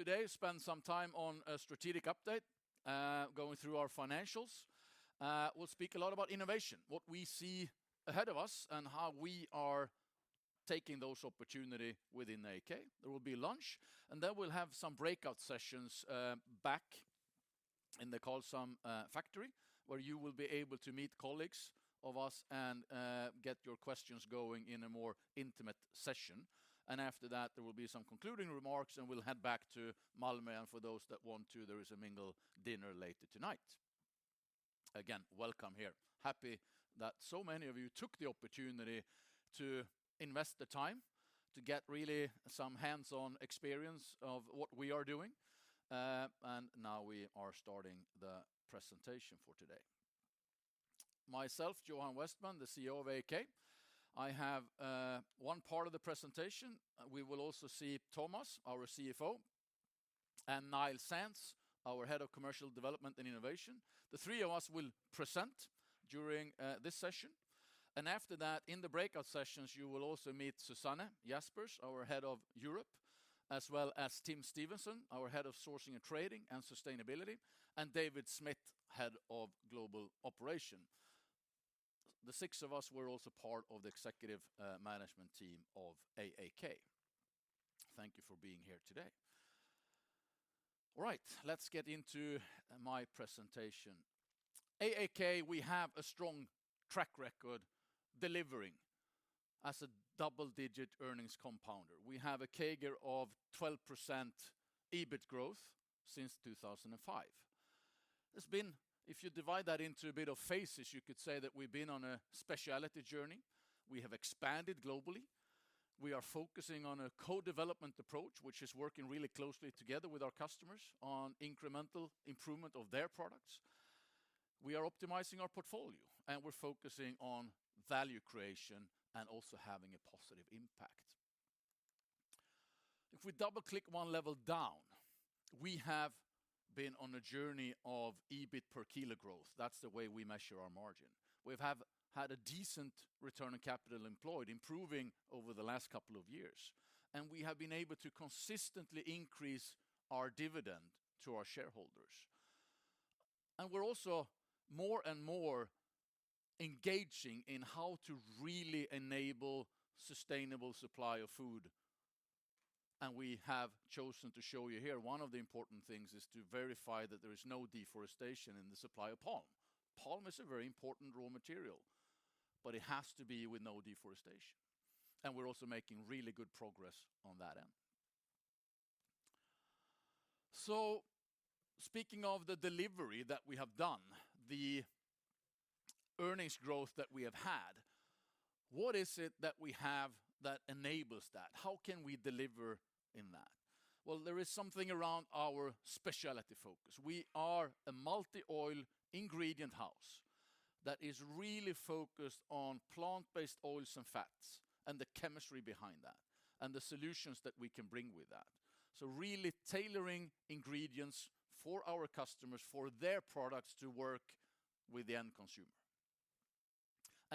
We'll today spend some time on a strategic update, going through our financials. We'll speak a lot about innovation, what we see ahead of us, and how we are taking those opportunity within AAK. There will be lunch, and then we'll have some breakout sessions back in the Karlshamn factory, where you will be able to meet colleagues of us and get your questions going in a more intimate session. After that, there will be some concluding remarks, and we'll head back to Malmö. For those that want to, there is a mingle dinner later tonight. Again, welcome here. Happy that so many of you took the opportunity to invest the time to get really some hands-on experience of what we are doing. Now we are starting the presentation for today. Myself, Johan Westman, the CEO of AAK, I have 1 part of the presentation. We will also see Tomas, our CFO, and Niall Sands, our head of Commercial Development and Innovation. The three of us will present during this session. After that, in the breakout sessions, you will also meet Susanne Jaspers, our head of Europe, as well as Tim Stephenson our Head of Sourcing and Trading and Sustainability, and David Smith, head of Global Operation. The six of us, we're also part of the executive management team of AAK. Thank you for being here today. All right, let's get into my presentation. AAK, we have a strong track record delivering as a double-digit earnings compounder. We have a CAGR of 12% EBIT growth since 2005. If you divide that into a bit of phases, you could say that we've been on a specialty journey. We have expanded globally. We are focusing on a Co-Development approach, which is working really closely together with our customers on incremental improvement of their products. We are optimizing our portfolio, and we're focusing on value creation and also having a positive impact. If we double-click one level down, we have been on a journey of EBIT per kilo growth. That's the way we measure our margin. We've had a decent return on capital employed, improving over the last couple of years, and we have been able to consistently increase our dividend to our shareholders. We're also more and more engaging in how to really enable sustainable supply of food, and we have chosen to show you here, one of the important things is to verify that there is no deforestation in the supply of palm. Palm is a very important raw material, but it has to be with no deforestation, and we're also making really good progress on that end. Speaking of the delivery that we have done, the earnings growth that we have had, what is it that we have that enables that? How can we deliver in that? Well, there is something around our speciality focus. We are a multi-oil ingredient house that is really focused on plant-based oils and fats and the chemistry behind that, and the solutions that we can bring with that. Really tailoring ingredients for our customers, for their products to work with the end consumer.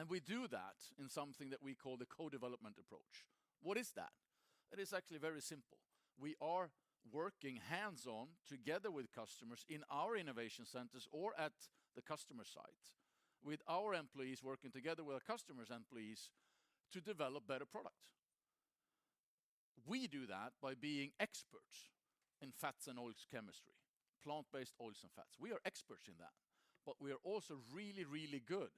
We do that in something that we call the Co-Development approach. What is that? It is actually very simple. We are working hands-on together with customers in our Innovation Centers or at the customer site, with our employees working together with our customers' employees to develop better product. We do that by being experts in fats and oils chemistry, plant-based oils and fats. We are experts in that. We are also really, really good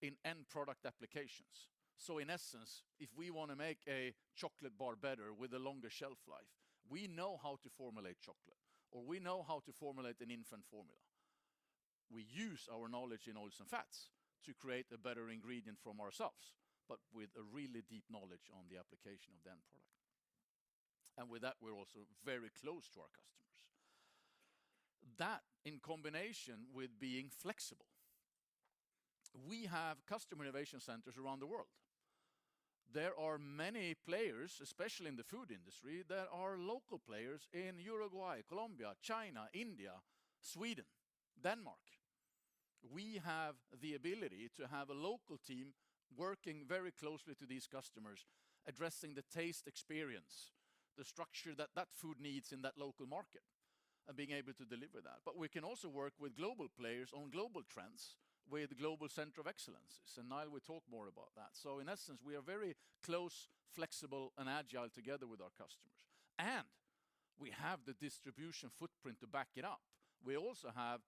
in end product applications. In essence, if we wanna make a chocolate bar better with a longer shelf life, we know how to formulate chocolate, or we know how to formulate an infant formula. We use our knowledge in oils and fats to create a better ingredient from ourselves, but with a really deep knowledge on the application of the end product. With that, we're also very close to our customers. That in combination with being flexible. We have customer innovation centers around the world. There are many players, especially in the food industry, there are local players in Uruguay, Colombia, China, India, Sweden, Denmark. We have the ability to have a local team working very closely to these customers, addressing the taste experience, the structure that that food needs in that local market, and being able to deliver that. We can also work with global players on global trends with global Center of Excellences, and Niall will talk more about that. In essence, we are very close, flexible, and agile together with our customers. We have the distribution footprint to back it up. We also have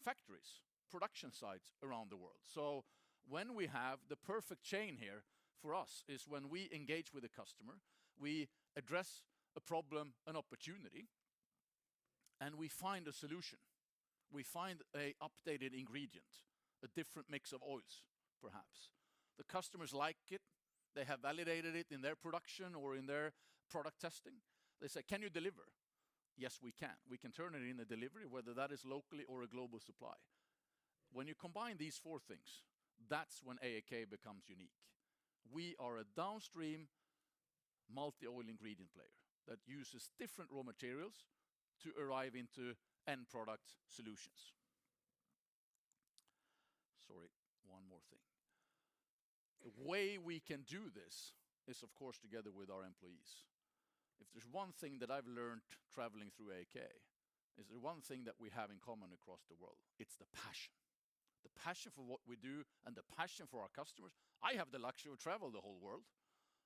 factories, production sites around the world. When we have the perfect chain here for us is when we engage with a customer, we address a problem, an opportunity, and we find a solution. We find a updated ingredient, a different mix of oils, perhaps. The customers like it. They have validated it in their production or in their product testing. They say, "Can you deliver?" Yes, we can. We can turn it in a delivery, whether that is locally or a global supply. When you combine these four things, that's when AAK becomes unique. We are a downstream multi-oil ingredient player that uses different raw materials to arrive into end product solutions. Sorry, one more thing. The way we can do this is, of course, together with our employees. If there's one thing that I've learned traveling through AAK, is the one thing that we have in common across the world, it's the passion. The passion for what we do and the passion for our customers. I have the luxury to travel the whole world.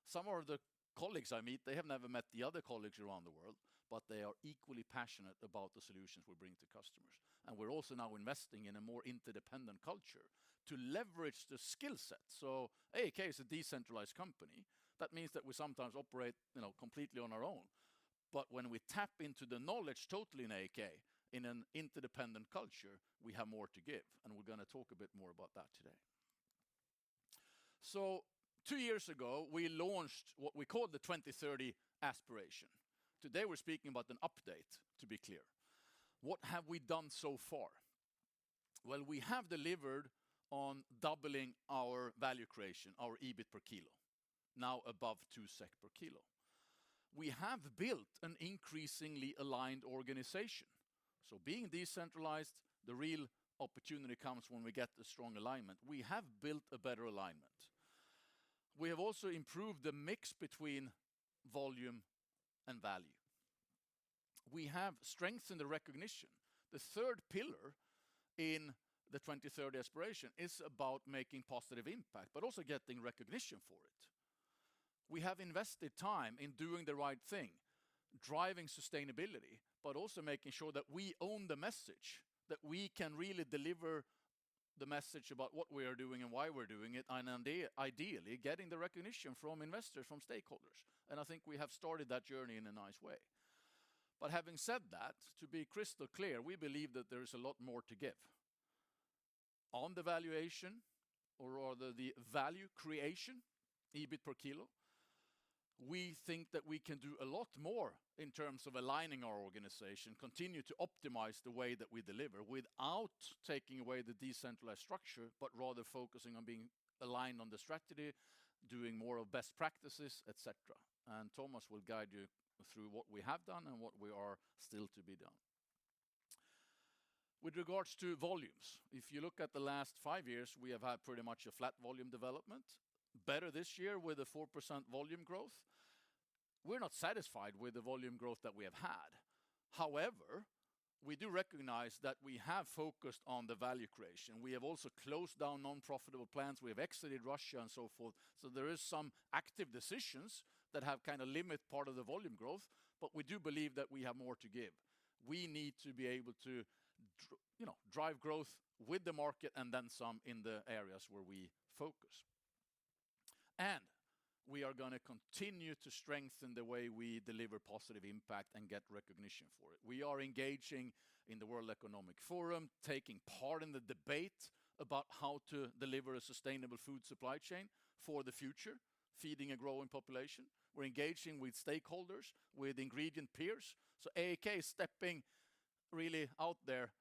Some of the colleagues I meet, they have never met the other colleagues around the world, but they are equally passionate about the solutions we bring to customers. We're also now investing in a more interdependent culture to leverage the skill set. AAK is a decentralized company. That means that we sometimes operate, you know, completely on our own. When we tap into the knowledge totally in AAK, in an interdependent culture, we have more to give, and we're gonna talk a bit more about that today. Two years ago, we launched what we called the 2030 Aspiration. Today, we're speaking about an update, to be clear. What have we done so far? We have delivered on doubling our value creation, our EBIT per kilo, now above 2 SEK per kilo. We have built an increasingly aligned organization. Being decentralized, the real opportunity comes when we get the strong alignment. We have built a better alignment. We have also improved the mix between volume and value. We have strengthened the recognition. The third pillar in the 2030 Aspiration is about making positive impact but also getting recognition for it. We have invested time in doing the right thing, driving sustainability, but also making sure that we own the message, that we can really deliver the message about what we are doing and why we're doing it, and ideally getting the recognition from investors, from stakeholders. I think we have started that journey in a nice way. Having said that, to be crystal clear, we believe that there is a lot more to give. On the valuation or the value creation, EBIT per kilo, we think that we can do a lot more in terms of aligning our organization, continue to optimize the way that we deliver without taking away the decentralized structure, but rather focusing on being aligned on the strategy, doing more of best practices, et cetera. Tomas will guide you through what we have done and what we are still to be done. With regards to volumes, if you look at the last five years, we have had pretty much a flat volume development. Better this year with a 4% volume growth. We're not satisfied with the volume growth that we have had. However, we do recognize that we have focused on the value creation. We have also closed down non-profitable plants. We have exited Russia and so forth. There is some active decisions that have kinda limit part of the volume growth, but we do believe that we have more to give. We need to be able to you know, drive growth with the market and then some in the areas where we focus. We are gonna continue to strengthen the way we deliver positive impact and get recognition for it. We are engaging in the World Economic Forum, taking part in the debate about how to deliver a sustainable food supply chain for the future, feeding a growing population. We're engaging with stakeholders, with ingredient peers. AAK is stepping really out there,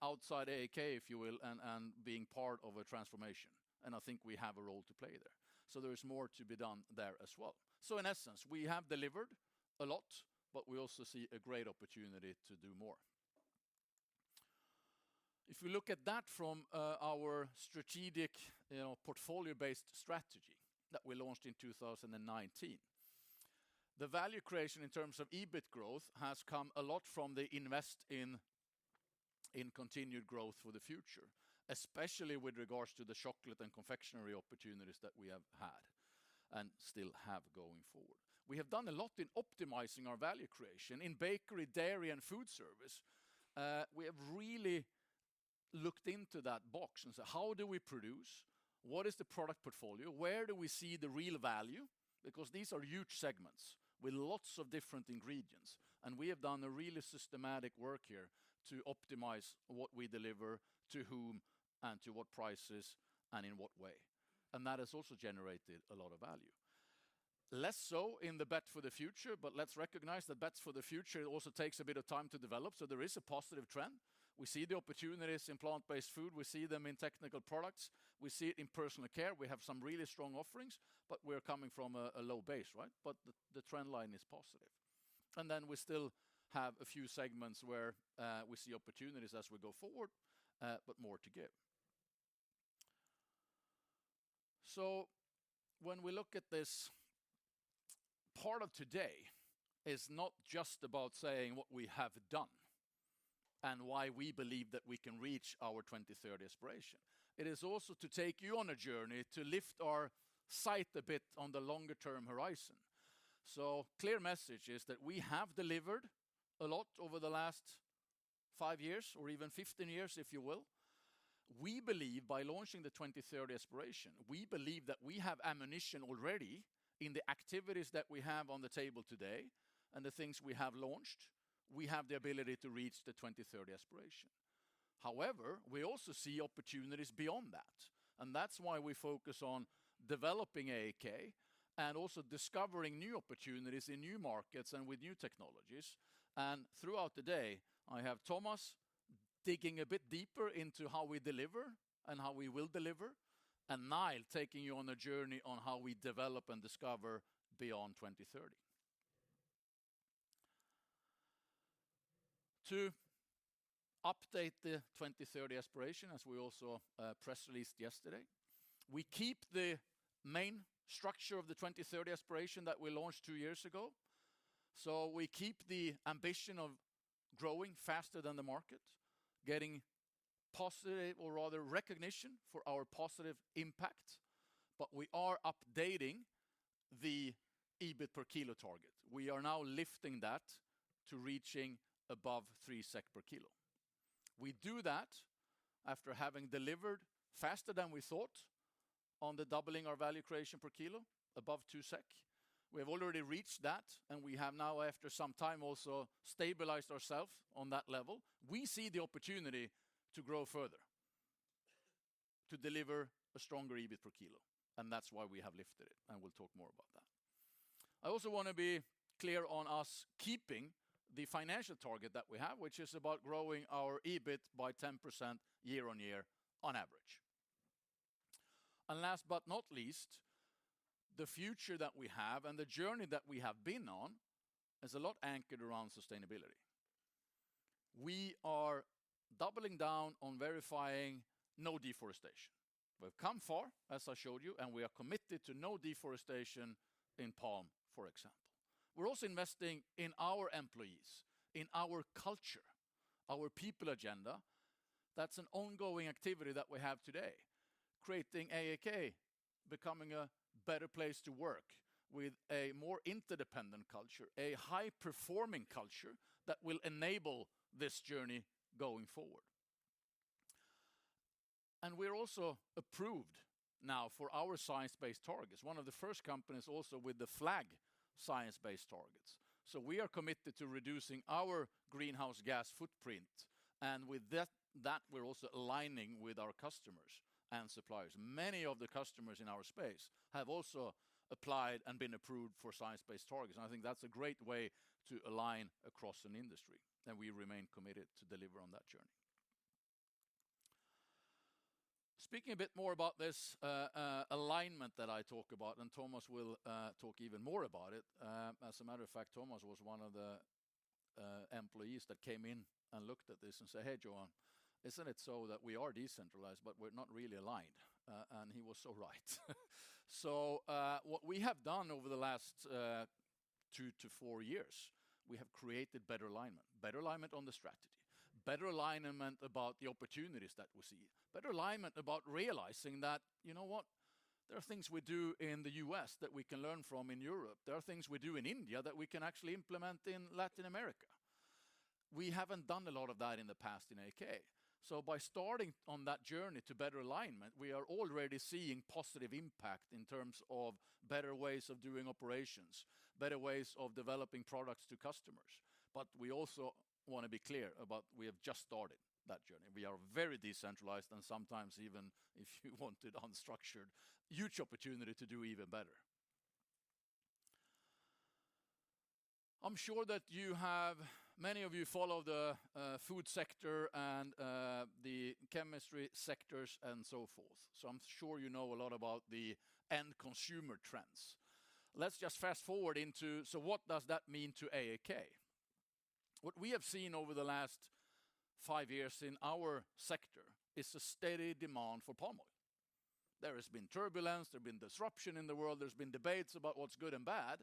outside AAK, if you will, and being part of a transformation, and I think we have a role to play there. There is more to be done there as well. In essence, we have delivered a lot, but we also see a great opportunity to do more. If we look at that from our strategic, you know, portfolio-based strategy that we launched in 2019, the value creation in terms of EBIT growth has come a lot from the invest in continued growth for the future, especially with regards to the chocolate and confectionery opportunities that we have had and still have going forward. We have done a lot in optimizing our value creation. In bakery, dairy, and food service, we have really looked into that box and said, "How do we produce? What is the product portfolio? Where do we see the real value? These are huge segments with lots of different ingredients. We have done a really systematic work here to optimize what we deliver, to whom, to what prices, and in what way. That has also generated a lot of value. Less so in the bet for the future. Let's recognize that bets for the future also takes a bit of time to develop. There is a positive trend. We see the opportunities in plant-based food. We see them in Technical Products. We see it in personal care. We have some really strong offerings, but we're coming from a low base, right? The trend line is positive. We still have a few segments where we see opportunities as we go forward, but more to give. When we look at this, part of today is not just about saying what we have done and why we believe that we can reach our 2030 Aspiration. It is also to take you on a journey to lift our sight a bit on the longer-term horizon. Clear message is that we have delivered a lot over the last five years or even 15 years, if you will. We believe by launching the 2030 Aspiration, we believe that we have ammunition already in the activities that we have on the table today and the things we have launched. We have the ability to reach the 2030 Aspiration. We also see opportunities beyond that, and that's why we focus on developing AAK and also discovering new opportunities in new markets and with new technologies. Throughout the day, I have Tomas digging a bit deeper into how we deliver and how we will deliver and Niall taking you on a journey on how we develop and discover beyond 2030. To update the 2030 Aspiration, as we also press released yesterday, we keep the main structure of the 2030 Aspiration that we launched two years ago. We keep the ambition of growing faster than the market, getting positive or rather recognition for our positive impact, but we are updating the EBIT per kilo target. We are now lifting that to reaching above 3 SEK per kilo. We do that after having delivered faster than we thought on the doubling our value creation per kilo above 2 SEK. We have already reached that, and we have now, after some time, also stabilized ourself on that level. We see the opportunity to grow further, to deliver a stronger EBIT per kilo, and that's why we have lifted it, and we'll talk more about that. I also wanna be clear on us keeping the financial target that we have, which is about growing our EBIT by 10% year-on-year on average. Last but not least, the future that we have and the journey that we have been on is a lot anchored around sustainability. We are doubling down on verifying no deforestation. We've come far, as I showed you, and we are committed to no deforestation in palm, for example. We're also investing in our employees, in our culture, our people agenda. That's an ongoing activity that we have today, creating AAK, becoming a better place to work with a more interdependent culture, a high-performing culture that will enable this journey going forward. We're also approved now for our science-based targets, one of the first companies also with the FLAG science-based targets. We are committed to reducing our greenhouse gas footprint, and with that, we're also aligning with our customers and suppliers. Many of the customers in our space have also applied and been approved for science-based targets, and I think that's a great way to align across an industry, and we remain committed to deliver on that journey. Speaking a bit more about this alignment that I talk about, and Tomas will talk even more about it. As a matter of fact, Tomas was one of the employees that came in and looked at this and said, "Hey, Johan, isn't it so that we are decentralized, but we're not really aligned?" He was so right. What we have done over the last two to four years, we have created better alignment, better alignment on the strategy, better alignment about the opportunities that we see, better alignment about realizing that, you know what. There are things we do in the U.S. that we can learn from in Europe. There are things we do in India that we can actually implement in Latin America. We haven't done a lot of that in the past in AAK. By starting on that journey to better alignment, we are already seeing positive impact in terms of better ways of doing operations, better ways of developing products to customers. We also wanna be clear about we have just started that journey. We are very decentralized, and sometimes even if you want it unstructured, huge opportunity to do even better. Many of you follow the food sector and the chemistry sectors and so forth, so I'm sure you know a lot about the end consumer trends. Let's just fast-forward into, what does that mean to AAK? What we have seen over the last five years in our sector is a steady demand for palm oil. There has been turbulence, there have been disruption in the world, there's been debates about what's good and bad,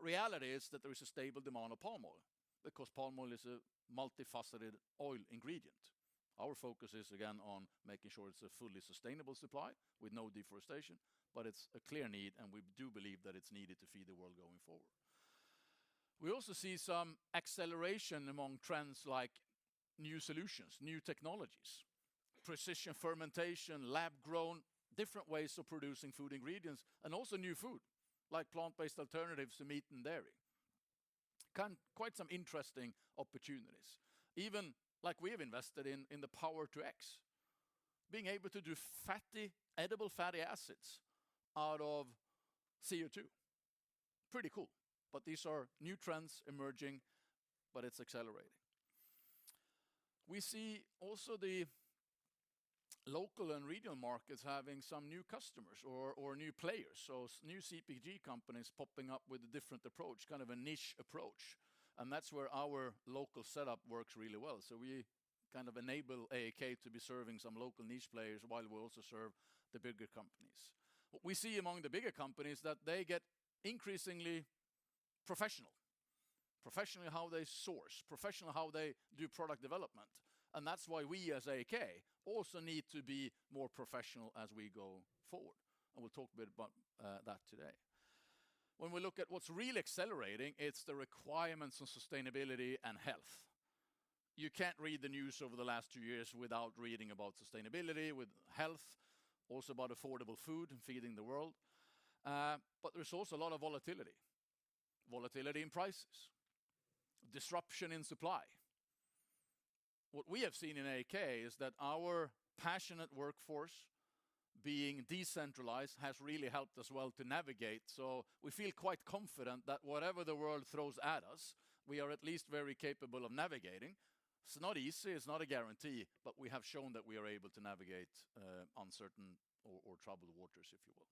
reality is that there is a stable demand of palm oil because palm oil is a multifaceted oil ingredient. Our focus is, again, on making sure it's a fully sustainable supply with no deforestation, it's a clear need, we do believe that it's needed to feed the world going forward. We also see some acceleration among trends like new solutions, new technologies, precision fermentation, lab-grown, different ways of producing food ingredients, and also new food, like plant-based alternatives to meat and dairy. Quite some interesting opportunities. Even like we have invested in the Power-to-X, being able to do fatty, edible fatty acids out of CO2. Pretty cool. These are new trends emerging, but it's accelerating. We see also the local and regional markets having some new customers or new players, so new CPG companies popping up with a different approach, kind of a niche approach, and that's where our local setup works really well. We kind of enable AAK to be serving some local niche players while we also serve the bigger companies. What we see among the bigger companies that they get increasingly professional. Professional how they source, professional how they do product development. That's why we as AAK also need to be more professional as we go forward. We'll talk a bit about that today. When we look at what's really accelerating, it's the requirements on sustainability and health. You can't read the news over the last two years without reading about sustainability with health, also about affordable food and feeding the world. There's also a lot of volatility. Volatility in prices, disruption in supply. What we have seen in AAK is that our passionate workforce being decentralized has really helped us well to navigate, so we feel quite confident that whatever the world throws at us, we are at least very capable of navigating. It's not easy, it's not a guarantee, but we have shown that we are able to navigate, uncertain or troubled waters, if you will.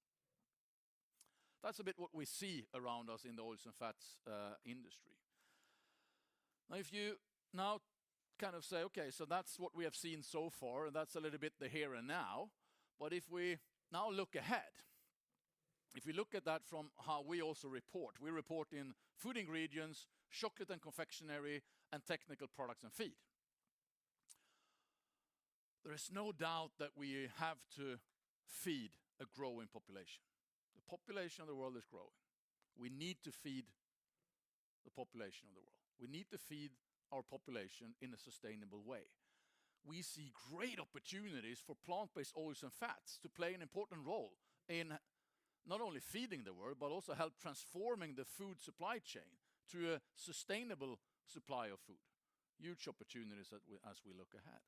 That's a bit what we see around us in the oils and fats, industry. Now, if you now kind of say, "Okay, so that's what we have seen so far, and that's a little bit the here and now." If we now look ahead, if we look at that from how we also report, we report in Food Ingredients, Chocolate and Confectionery, and Technical Products and Feed. There is no doubt that we have to feed a growing population. The population of the world is growing. We need to feed the population of the world. We need to feed our population in a sustainable way. We see great opportunities for plant-based oils and fats to play an important role in not only feeding the world, but also help transforming the food supply chain to a sustainable supply of food. Huge opportunities as we look ahead.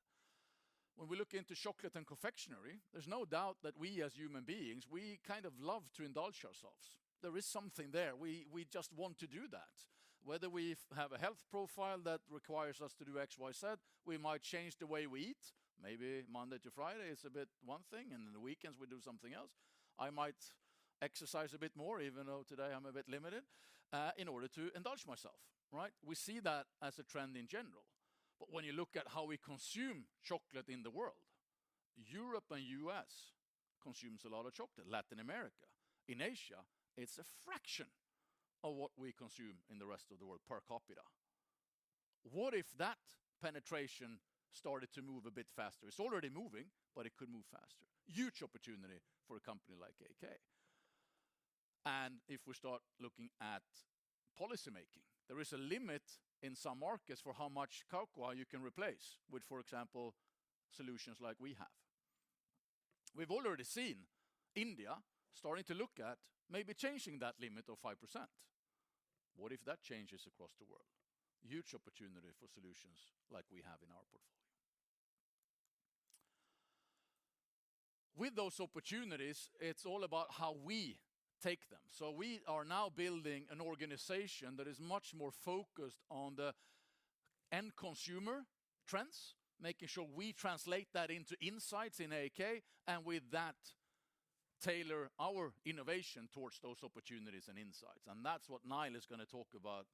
When we look into chocolate and confectionery, there's no doubt that we as human beings, we kind of love to indulge ourselves. There is something there. We just want to do that. Whether we have a health profile that requires us to do X, Y, Z, we might change the way we eat. Maybe Monday to Friday is a bit one thing, and in the weekends we do something else. I might exercise a bit more, even though today I'm a bit limited in order to indulge myself, right? We see that as a trend in general. When you look at how we consume chocolate in the world, Europe and U.S. consume a lot of chocolate. Latin America. In Asia, it's a fraction of what we consume in the rest of the world per capita. What if that penetration started to move a bit faster? It's already moving, but it could move faster. Huge opportunity for a company like AAK. If we start looking at policymaking, there is a limit in some markets for how much cocoa you can replace with, for example, solutions like we have. We've already seen India starting to look at maybe changing that limit of 5%. What if that changes across the world? Huge opportunity for solutions like we have in our portfolio. With those opportunities, it's all about how we take them. We are now building an organization that is much more focused on the end consumer trends, making sure we translate that into insights in AAK, and with that, tailor our innovation towards those opportunities and insights. That's what Niall is gonna talk about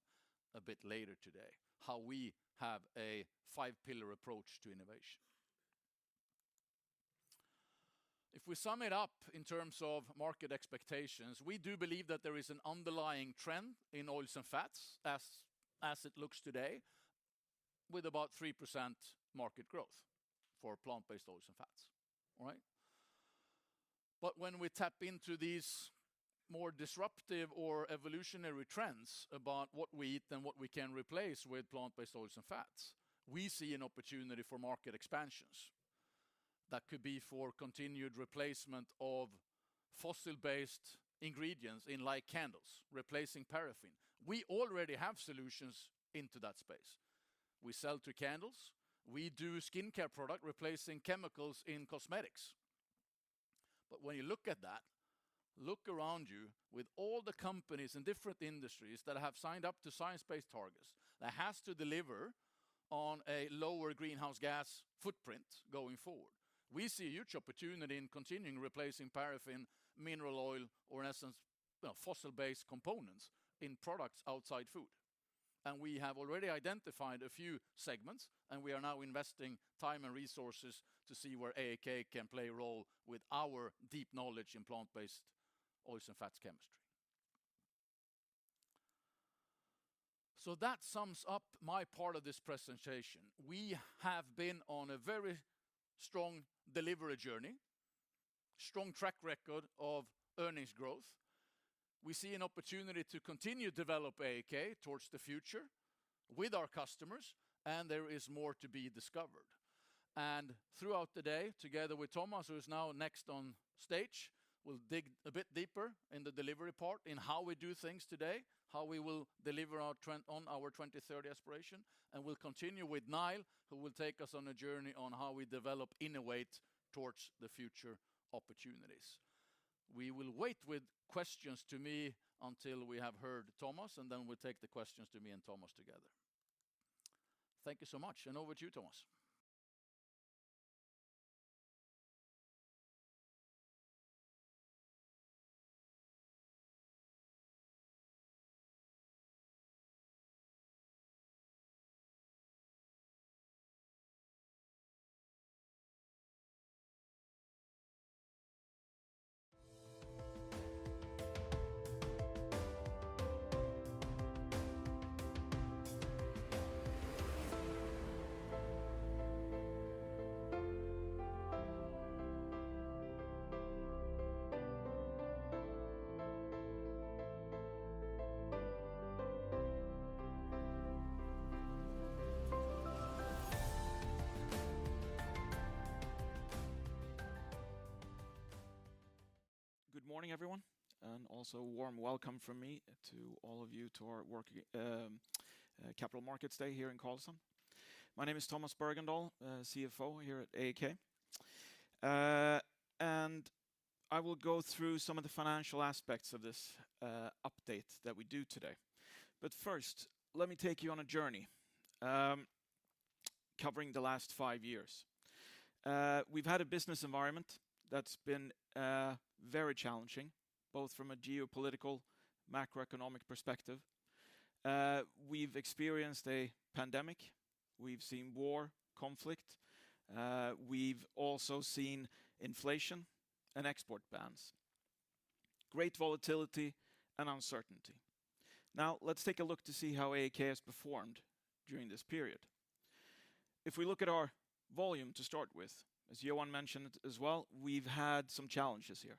a bit later today, how we have a five-pillar approach to innovation. If we sum it up in terms of market expectations, we do believe that there is an underlying trend in oils and fats as it looks today, with about 3% market growth for plant-based oils and fats. All right? When we tap into these more disruptive or evolutionary trends about what we eat and what we can replace with plant-based oils and fats, we see an opportunity for market expansions. That could be for continued replacement of fossil-based ingredients in, like, candles, replacing paraffin. We already have solutions into that space. We sell to candles. We do skincare product, replacing chemicals in cosmetics. When you look at that, look around you with all the companies in different industries that have signed up to science-based targets, that has to deliver on a lower greenhouse gas footprint going forward. We see a huge opportunity in continuing replacing paraffin, mineral oil, or in essence, you know, fossil-based components in products outside food. We have already identified a few segments, and we are now investing time and resources to see where AAK can play a role with our deep knowledge in plant-based oils and fats chemistry. That sums up my part of this presentation. We have been on a very strong delivery journey, strong track record of earnings growth. We see an opportunity to continue develop AAK towards the future with our customers, and there is more to be discovered. Throughout the day, together with Tomas, who is now next on stage, we'll dig a bit deeper in the delivery part in how we do things today, how we will deliver our trend on our 2030 Aspiration, and we'll continue with Niall, who will take us on a journey on how we develop, innovate towards the future opportunities. We will wait with questions to me until we have heard Tomas, and then we'll take the questions to me and Tomas together. Thank you so much, and over to you, Tomas. Good morning, everyone, and also a warm welcome from me to all of you to our Capital Markets Day here in Karlshamn. My name is Tomas Bergendahl, CFO here at AAK. I will go through some of the financial aspects of this update that we do today. First, let me take you on a journey. Covering the last five years. We've had a business environment that's been very challenging, both from a geopolitical, macroeconomic perspective. We've experienced a pandemic. We've seen war, conflict. We've also seen inflation and export bans, great volatility and uncertainty. Now, let's take a look to see how AAK has performed during this period. If we look at our volume to start with, as Johan mentioned as well, we've had some challenges here.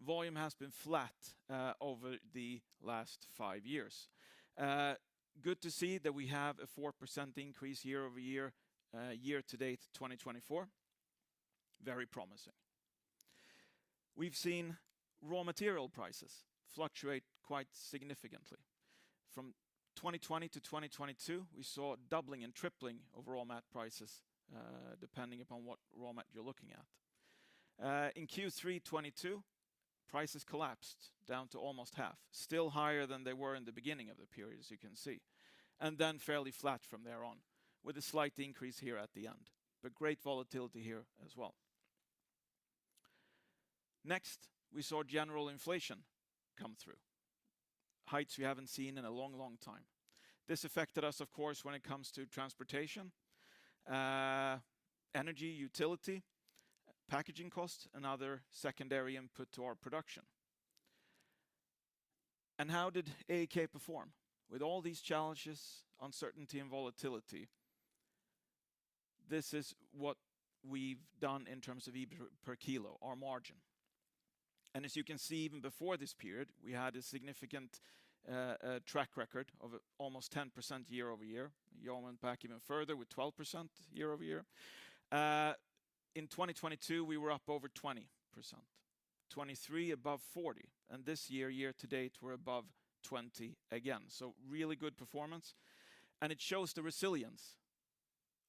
Volume has been flat over the last five years. Good to see that we have a 4% increase year-over-year, year-to-date, 2024. Very promising. We've seen raw material prices fluctuate quite significantly. From 2020 to 2022, we saw doubling and tripling of raw mat prices, depending upon what raw mat you're looking at. In Q3 2022, prices collapsed down to almost half, still higher than they were in the beginning of the period, as you can see, and then fairly flat from there on, with a slight increase here at the end. Great volatility here as well. Next, we saw general inflation come through, highs we haven't seen in a long, long time. This affected us, of course, when it comes to transportation, energy, utility, packaging costs, and other secondary input to our production. How did AAK perform? With all these challenges, uncertainty, and volatility, this is what we've done in terms of EBIT per kilo, our margin. As you can see, even before this period, we had a significant track record of almost 10% year-over-year. Johan went back even further with 12% year-over-year. In 2022, we were up over 20%. 2023, above 40%, and this year to date, we're above 20% again. Really good performance, and it shows the resilience,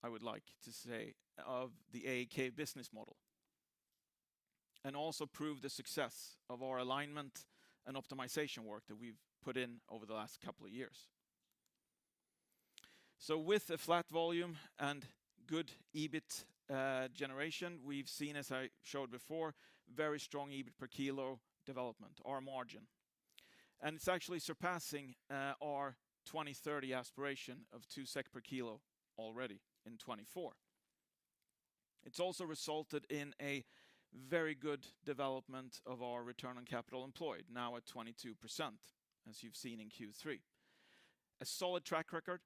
I would like to say, of the AAK business model, and also prove the success of our alignment and optimization work that we've put in over the last couple of years. With a flat volume and good EBIT generation, we've seen, as I showed before, very strong EBIT per kilo development, our margin. It's actually surpassing our 2030 Aspiration of 2 SEK per kilo already in 2024. It's also resulted in a very good development of our return on capital employed, now at 22%, as you've seen in Q3. A solid track record.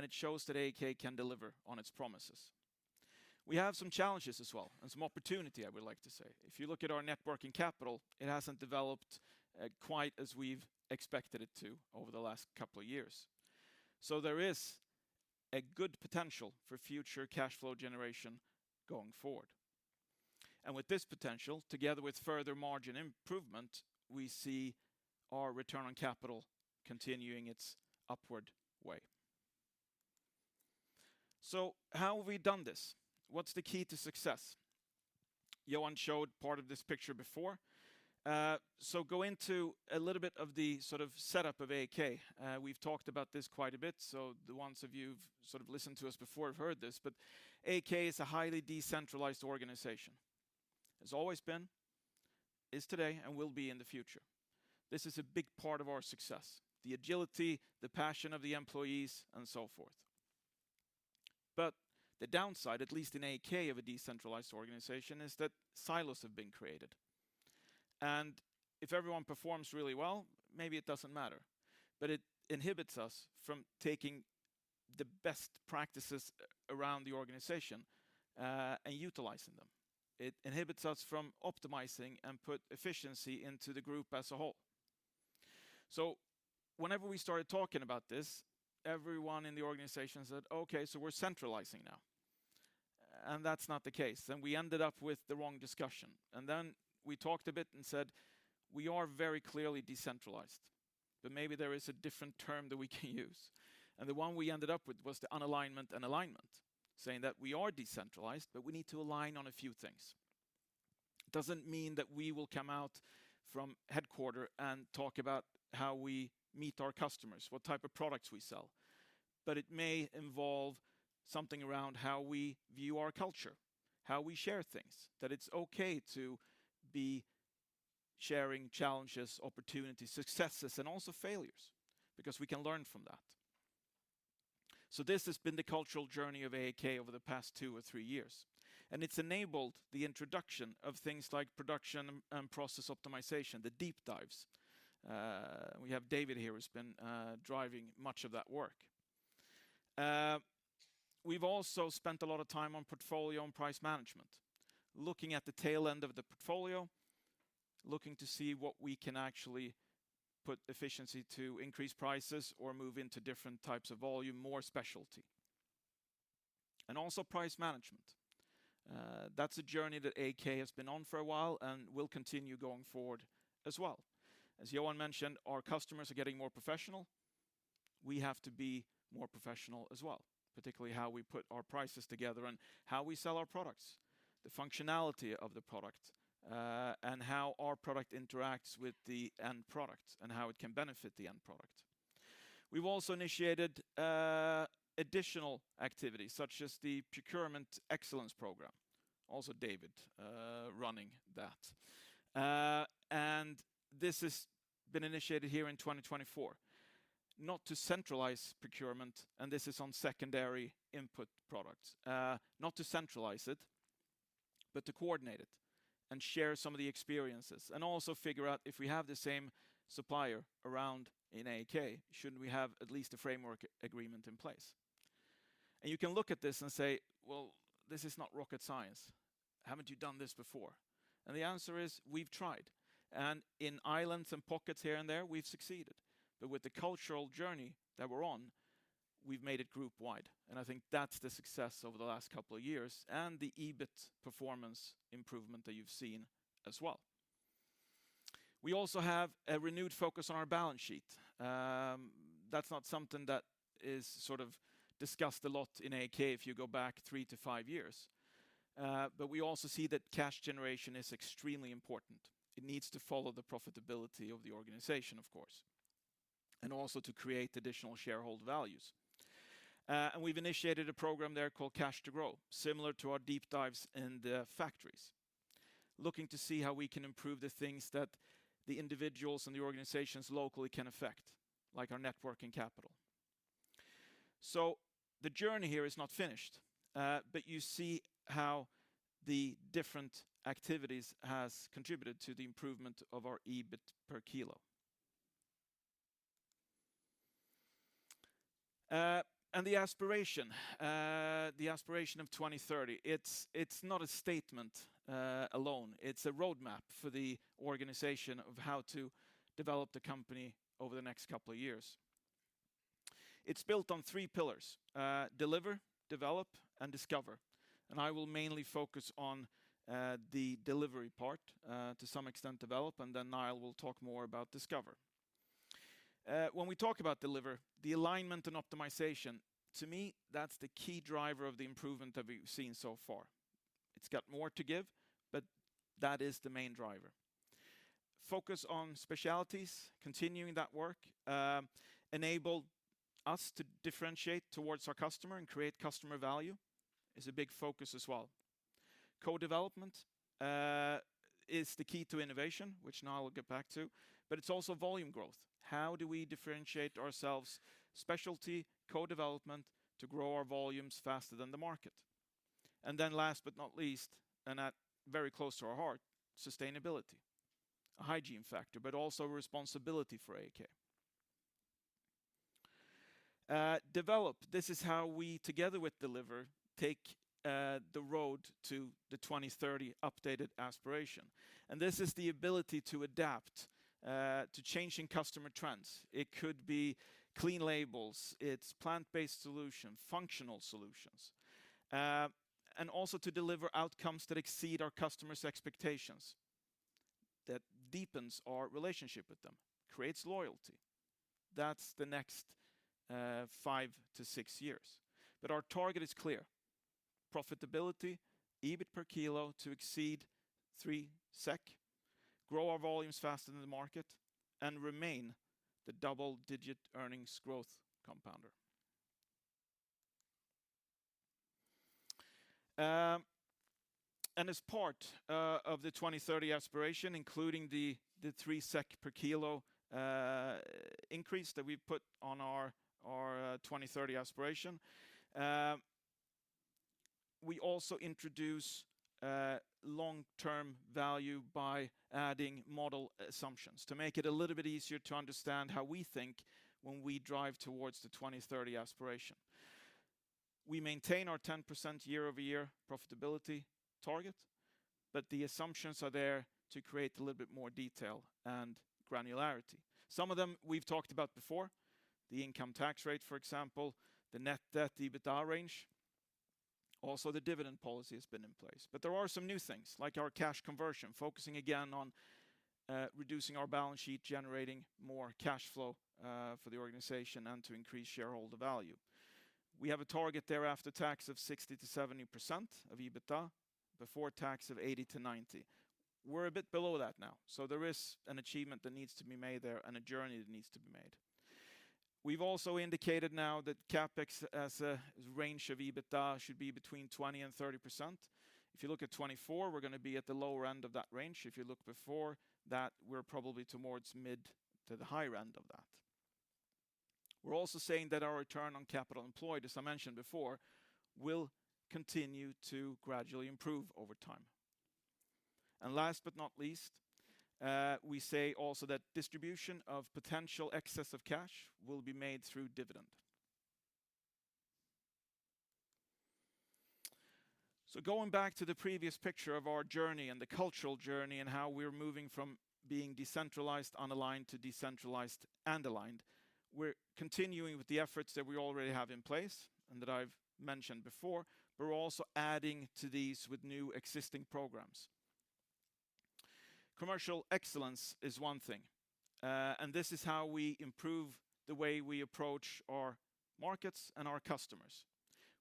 It shows that AAK can deliver on its promises. We have some challenges as well, and some opportunity, I would like to say. If you look at our net working capital, it hasn't developed quite as we've expected it to over the last couple of years. There is a good potential for future cash flow generation going forward. With this potential, together with further margin improvement, we see our return on capital continuing its upward way. How have we done this? What's the key to success? Johan showed part of this picture before. Go into a little bit of the sort of setup of AAK. We've talked about this quite a bit, the ones of you who've sort of listened to us before have heard this. AAK is a highly decentralized organization. Has always been, is today, and will be in the future. This is a big part of our success, the agility, the passion of the employees, and so forth. The downside, at least in AAK, of a decentralized organization, is that silos have been created. If everyone performs really well, maybe it doesn't matter. It inhibits us from taking the best practices around the organization and utilizing them. It inhibits us from optimizing and put efficiency into the group as a whole. Whenever we started talking about this, everyone in the organization said, "Okay, so we're centralizing now." That's not the case. We ended up with the wrong discussion. We talked a bit and said, "We are very clearly decentralized, but maybe there is a different term that we can use." The one we ended up with was the unalignment and alignment, saying that we are decentralized, but we need to align on a few things. It doesn't mean that we will come out from headquarter and talk about how we meet our customers, what type of products we sell. It may involve something around how we view our culture, how we share things, that it's okay to be sharing challenges, opportunities, successes, and also failures, because we can learn from that. This has been the cultural journey of AAK over the past two or three years, and it's enabled the introduction of things like production and process optimization, the deep dives. We have David here, who's been driving much of that work. We've also spent a lot of time on portfolio and price management, looking at the tail end of the portfolio, looking to see what we can actually put efficiency to increase prices or move into different types of volume, more specialty. Also price management. That's a journey that AAK has been on for a while and will continue going forward as well. As Johan mentioned, our customers are getting more professional. We have to be more professional as well, particularly how we put our prices together and how we sell our products. The functionality of the product, and how our product interacts with the end product and how it can benefit the end product. We've also initiated additional activities such as the Procurement Excellence Program, also David running that. This has been initiated here in 2024, not to centralize procurement, and this is on secondary input products, not to centralize it, but to coordinate it and share some of the experiences, and also figure out if we have the same supplier around in AAK, shouldn't we have at least a framework agreement in place? You can look at this and say, "Well, this is not rocket science. Haven't you done this before?" The answer is, we've tried. In islands and pockets here and there, we've succeeded. With the cultural journey that we're on, we've made it group wide. I think that's the success over the last couple of years and the EBIT performance improvement that you've seen as well. We also have a renewed focus on our balance sheet. That's not something that is sort of discussed a lot in AAK if you go back three to five years. We also see that cash generation is extremely important. It needs to follow the profitability of the organization, of course, and also to create additional shareholder values. We've initiated a program there called Cash to Grow, similar to our deep dives in the factories, looking to see how we can improve the things that the individuals and the organizations locally can affect, like our net working capital. The journey here is not finished, but you see how the different activities has contributed to the improvement of our EBIT per kilo. The aspiration, the aspiration of 2030, it's not a statement alone. It's a roadmap for the organization of how to develop the company over the next couple of years. It's built on three pillars, deliver, develop, and discover. I will mainly focus on the delivery part, to some extent develop, and then Niall will talk more about discover. When we talk about deliver, the alignment and optimization, to me, that's the key driver of the improvement that we've seen so far. It's got more to give, but that is the main driver. Focus on specialties, continuing that work, enable us to differentiate towards our customer and create customer value is a big focus as well. Co-development is the key to innovation, which Niall will get back to, it's also volume growth. How do we differentiate ourselves, specialty, co-development to grow our volumes faster than the market? Last but not least, and at very close to our heart, sustainability. A hygiene factor, also responsibility for AAK. Develop. This is how we, together with deliver, take the road to the 2030 Aspiration. This is the ability to adapt to changing customer trends. It could be clean label, it's plant-based solution, functional solutions, and also to deliver outcomes that exceed our customers' expectations, that deepens our relationship with them, creates loyalty. That's the next five to six years. Our target is clear. Profitability, EBIT per kilo to exceed 3 SEK, grow our volumes faster than the market, and remain the double-digit earnings growth compounder. As part of the 2030 Aspiration, including 3 SEK per kilo increase that we put on our 2030 Aspiration, we also introduce long-term value by adding model assumptions to make it a little bit easier to understand how we think when we drive towards the 2030 Aspiration. We maintain our 10% year-over-year profitability target. The assumptions are there to create a little bit more detail and granularity. Some of them we've talked about before, the income tax rate, for example, the net debt to EBITDA range. The dividend policy has been in place. There are some new things, like our cash conversion, focusing again on reducing our balance sheet, generating more cash flow for the organization and to increase shareholder value. We have a target there after tax of 60%-70% of EBITDA, before tax of 80%-90%. We're a bit below that now, so there is an achievement that needs to be made there and a journey that needs to be made. We've also indicated now that CapEx as a range of EBITDA should be between 20%-30%. If you look at 2024, we're gonna be at the lower end of that range. If you look before that, we're probably towards mid to the higher end of that. We're also saying that our return on capital employed, as I mentioned before, will continue to gradually improve over time. Last but not least, we say also that distribution of potential excess of cash will be made through dividend. Going back to the previous picture of our journey and the cultural journey and how we're moving from being decentralized, unaligned to decentralized and aligned, we're continuing with the efforts that we already have in place and that I've mentioned before. We're also adding to these with new existing programs. Commercial Excellence is one thing. This is how we improve the way we approach our markets and our customers.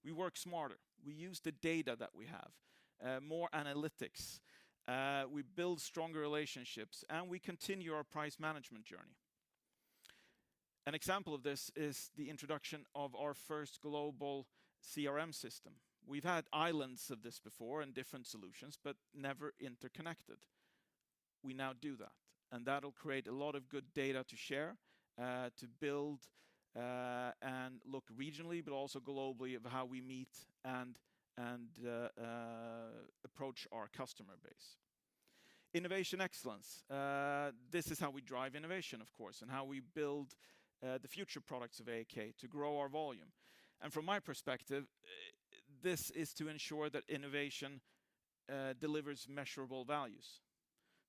We work smarter. We use the data that we have, more analytics, we build stronger relationships, and we continue our price management journey. An example of this is the introduction of our first global CRM system. We've had islands of this before and different solutions, but never interconnected. We now do that, and that'll create a lot of good data to share, to build, and look regionally but also globally of how we meet and approach our customer base. Innovation Excellence. This is how we drive innovation, of course, and how we build the future products of AAK to grow our volume. From my perspective, this is to ensure that innovation delivers measurable values,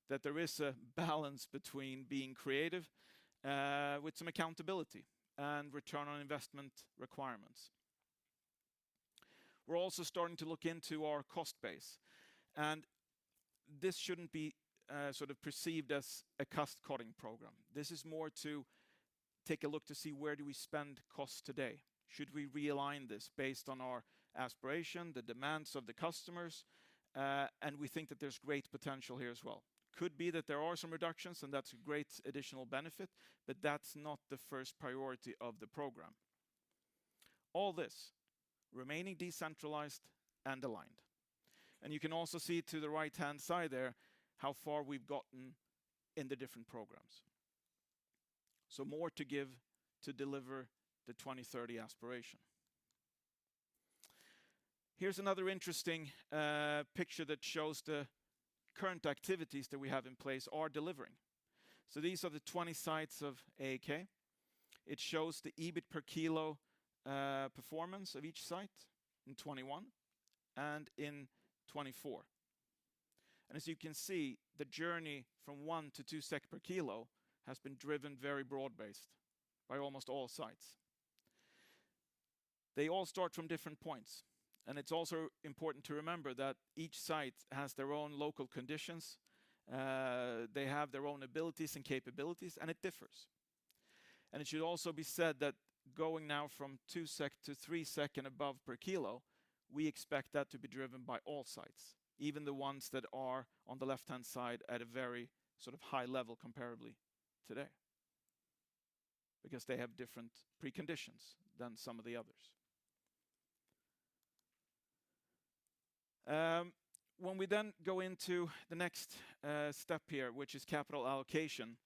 that there is a balance between being creative, with some accountability and return on investment requirements. We're also starting to look into our cost base, and this shouldn't be sort of perceived as a cost-cutting program. This is more to take a look to see where do we spend costs today. Should we realign this based on our aspiration, the demands of the customers? We think that there's great potential here as well. Could be that there are some reductions, and that's a great additional benefit, but that's not the first priority of the program. All this remaining decentralized and aligned. You can also see to the right-hand side there how far we've gotten in the different programs. More to give to deliver the 2030 Aspiration. Here's another interesting picture that shows the current activities that we have in place are delivering. These are the 20 sites of AAK. It shows the EBIT per kilo performance of each site in 2021 and in 2024. As you can see, the journey from 1-2 SEK per kilo has been driven very broad-based by almost all sites. They all start from different points. It's also important to remember that each site has their own local conditions, they have their own abilities and capabilities, and it differs. It should also be said that going now from 2-3 SEK and above per kilo, we expect that to be driven by all sites, even the ones that are on the left-hand side at a very sort of high level comparably today because they have different preconditions than some of the others. When we then go into the next step here, which is capital allocation,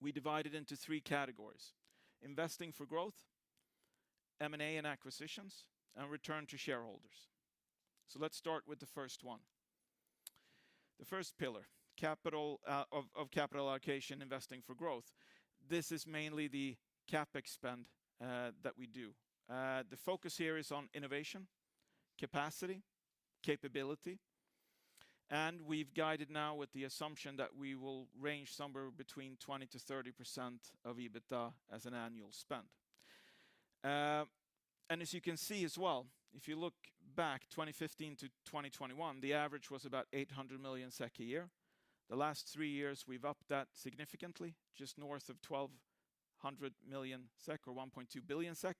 we divide it into three categories: investing for growth, M&A and acquisitions, and return to shareholders. Let's start with the first one. The first pillar, capital of capital allocation, investing for growth. This is mainly the CapEx spend that we do. The focus here is on innovation, capacity, capability, and we've guided now with the assumption that we will range somewhere between 20%-30% of EBITA as an annual spend. As you can see as well, if you look back 2015 to 2021, the average was about 800 million SEK a year. The last three years, we've upped that significantly, just north of 1,200 million SEK or 1.2 billion SEK,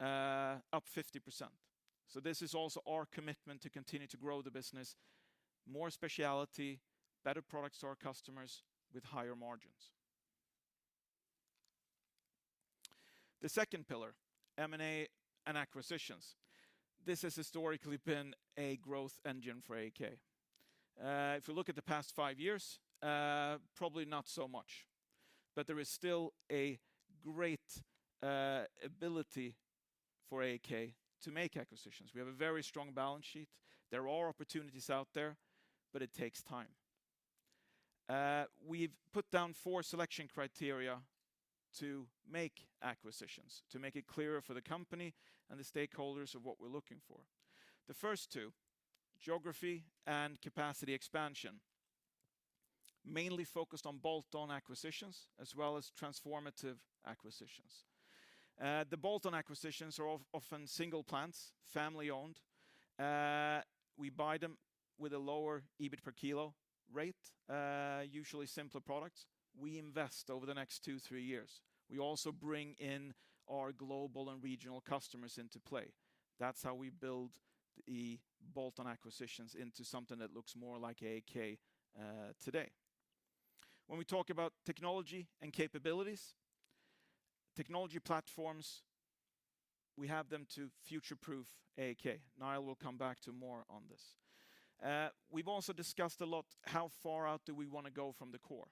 up 50%. This is also our commitment to continue to grow the business, more specialty, better products to our customers with higher margins. The second pillar, M&A and acquisitions. This has historically been a growth engine for AAK. If you look at the past five years, probably not so much, but there is still a great ability for AAK to make acquisitions. We have a very strong balance sheet. There are opportunities out there, but it takes time. We've put down four selection criteria to make acquisitions, to make it clearer for the company and the stakeholders of what we're looking for. The first two, geography and capacity expansion, mainly focused on bolt-on acquisitions as well as transformative acquisitions. The bolt-on acquisitions are often single plants, family-owned. We buy them with a lower EBIT per kilo rate, usually simpler products. We invest over the next two, three years. We also bring in our global and regional customers into play. That's how we build the bolt-on acquisitions into something that looks more like AAK today. When we talk about technology and capabilities, technology platforms, we have them to future-proof AAK. Niall will come back to more on this. We've also discussed a lot how far out do we wanna go from the core.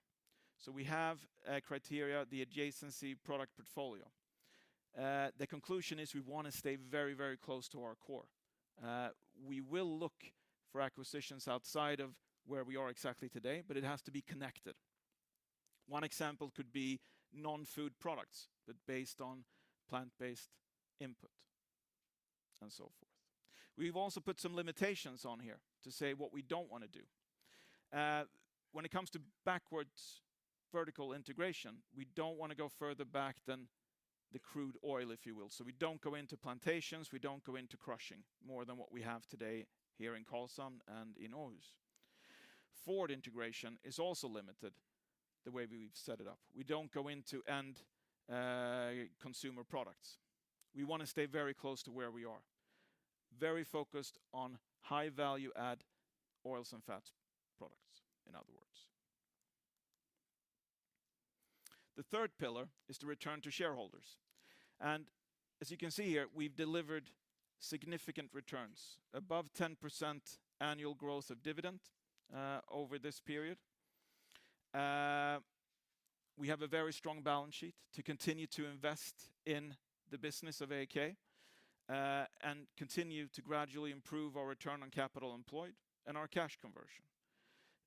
We have a criteria, the adjacency product portfolio. The conclusion is we wanna stay very, very close to our core. We will look for acquisitions outside of where we are exactly today, but it has to be connected. One example could be non-food products, but based on plant-based input and so forth. We've also put some limitations on here to say what we don't wanna do. When it comes to backwards vertical integration, we don't wanna go further back than the crude oil, if you will. We don't go into plantations, we don't go into crushing more than what we have today here in Karlshamn and in Aarhus. Forward integration is also limited the way we've set it up. We don't go into end consumer products. We wanna stay very close to where we are. Very focused on high value-add oils and fats products, in other words. The third pillar is to return to shareholders. As you can see here, we've delivered significant returns, above 10% annual growth of dividend over this period. We have a very strong balance sheet to continue to invest in the business of AAK and continue to gradually improve our return on capital employed and our cash conversion.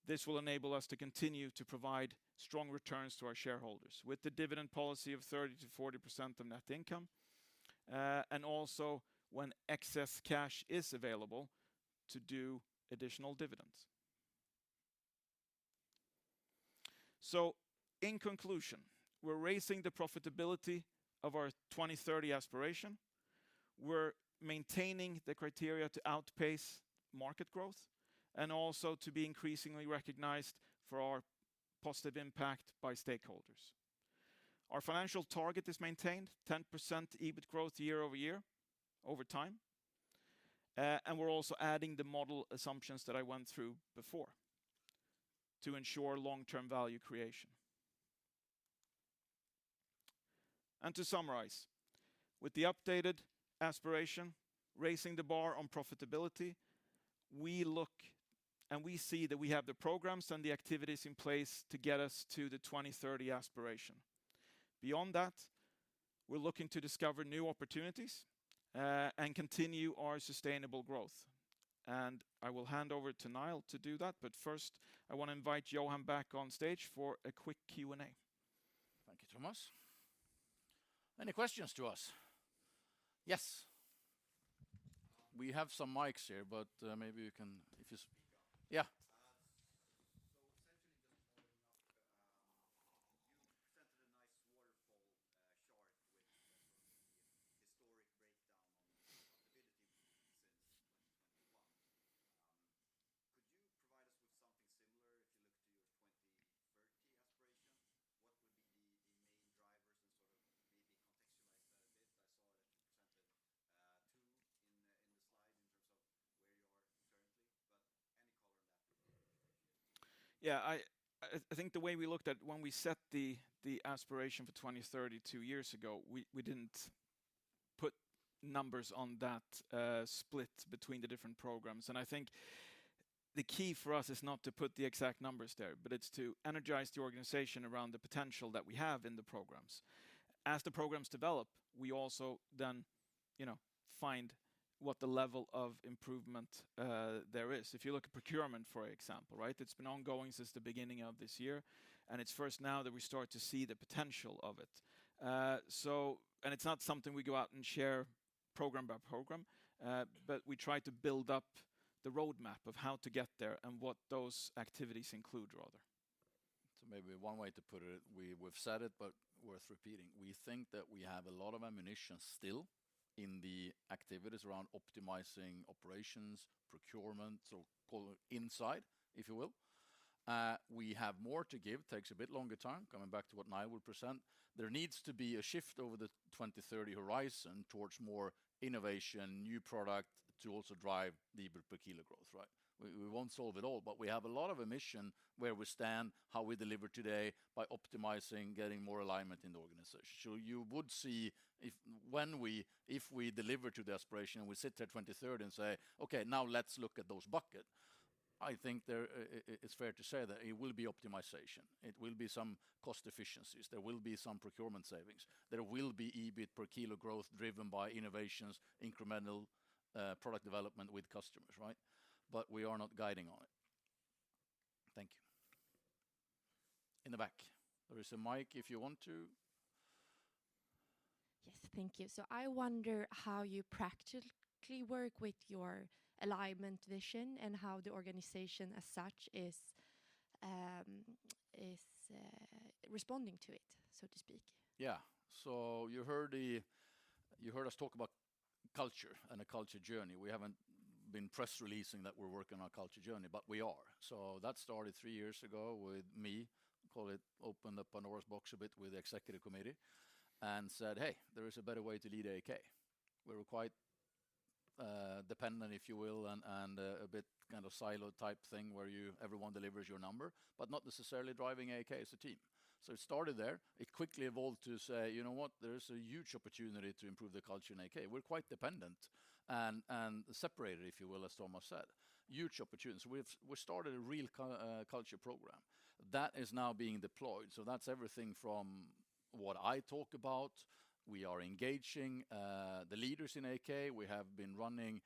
This will enable us to continue to provide strong returns to our shareholders with the dividend policy of 30%-40% of net income and also when excess cash is available to do additional dividends. In conclusion, we're raising the profitability of our 2030 Aspiration. We're maintaining the criteria to outpace market growth and also to be increasingly recognized for our positive impact by stakeholders. Our financial target is maintained, 10% EBIT growth year-over-year over time, and we're also adding the model assumptions that I went through before to ensure long-term value creation. To summarize, with the updated aspiration, raising the bar on profitability, we look and we see that we have the programs and the activities in place to get us to the 2030 Aspiration. Beyond that, we're looking to discover new opportunities and continue our sustainable growth, Yeah, I think the way we looked at when we set the 2030 Aspiration two years ago, we didn't put numbers on that split between the different programs. I think the key for us is not to put the exact numbers there, but it's to energize the organization around the potential that we have in the programs. As the programs develop, we also then, you know, find what the level of improvement there is. If you look at procurement, for example, right? It's been ongoing since the beginning of this year, and it's first now that we start to see the potential of it. It's not something we go out and share program by program, but we try to build up the roadmap of how to get there and what those activities include rather. Maybe one way to put it, we've said it, but worth repeating. We think that we have a lot of ammunition still in the activities around optimizing operations, procurement, call it inside, if you will. We have more to give. Takes a bit longer time, coming back to what Niall will present. There needs to be a shift over the 2030 horizon towards more innovation, new product to also drive the EBIT per kilo growth, right? We won't solve it all, but we have a lot of ammunition where we stand, how we deliver today by optimizing, getting more alignment in the organization. You would see if when we, if we deliver to the 2030 Aspiration and we sit there 2030 and say, "Okay, now let's look at those bucket," I think there it's fair to say that it will be optimization. It will be some cost efficiencies. There will be some procurement savings. There will be EBIT per kilo growth driven by innovations, incremental product development with customers, right? We are not guiding on it. Thank you. In the back, there is a mic if you want to. Yes. Thank you. I wonder how you practically work with your alignment vision and how the organization as such is responding to it, so to speak. You heard us talk about culture and a culture journey. We haven't been press releasing that we're working on a culture journey, but we are. That started three years ago with me, call it opened up Pandora's box a bit with the executive committee and said, "Hey, there is a better way to lead AAK." We were quite dependent, if you will, and a bit kind of siloed type thing where you, everyone delivers your number, but not necessarily driving AAK as a team. It started there. It quickly evolved to say, "You know what? There is a huge opportunity to improve the culture in AAK." We're quite dependent and separated, if you will, as Tomas said. Huge opportunity. We started a real culture program. That is now being deployed, so that's everything from what I talk about. We are engaging the leaders in AAK. We have been running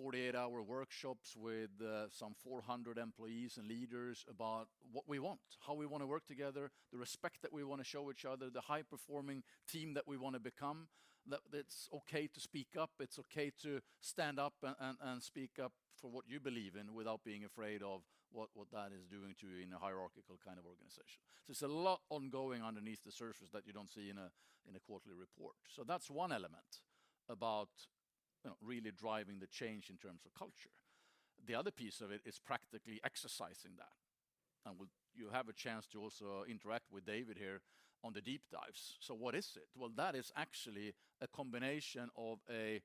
48-hour workshops with some 400 employees and leaders about what we want, how we wanna work together, the respect that we wanna show each other, the high-performing team that we wanna become, that it's okay to speak up. It's okay to stand up and speak up for what you believe in without being afraid of what that is doing to you in a hierarchical kind of organization. There's a lot ongoing underneath the surface that you don't see in a quarterly report. That's one element about, you know, really driving the change in terms of culture. The other piece of it is practically exercising that, you have a chance to also interact with David here on the deep dives. What is it? Well, that is actually a combination of a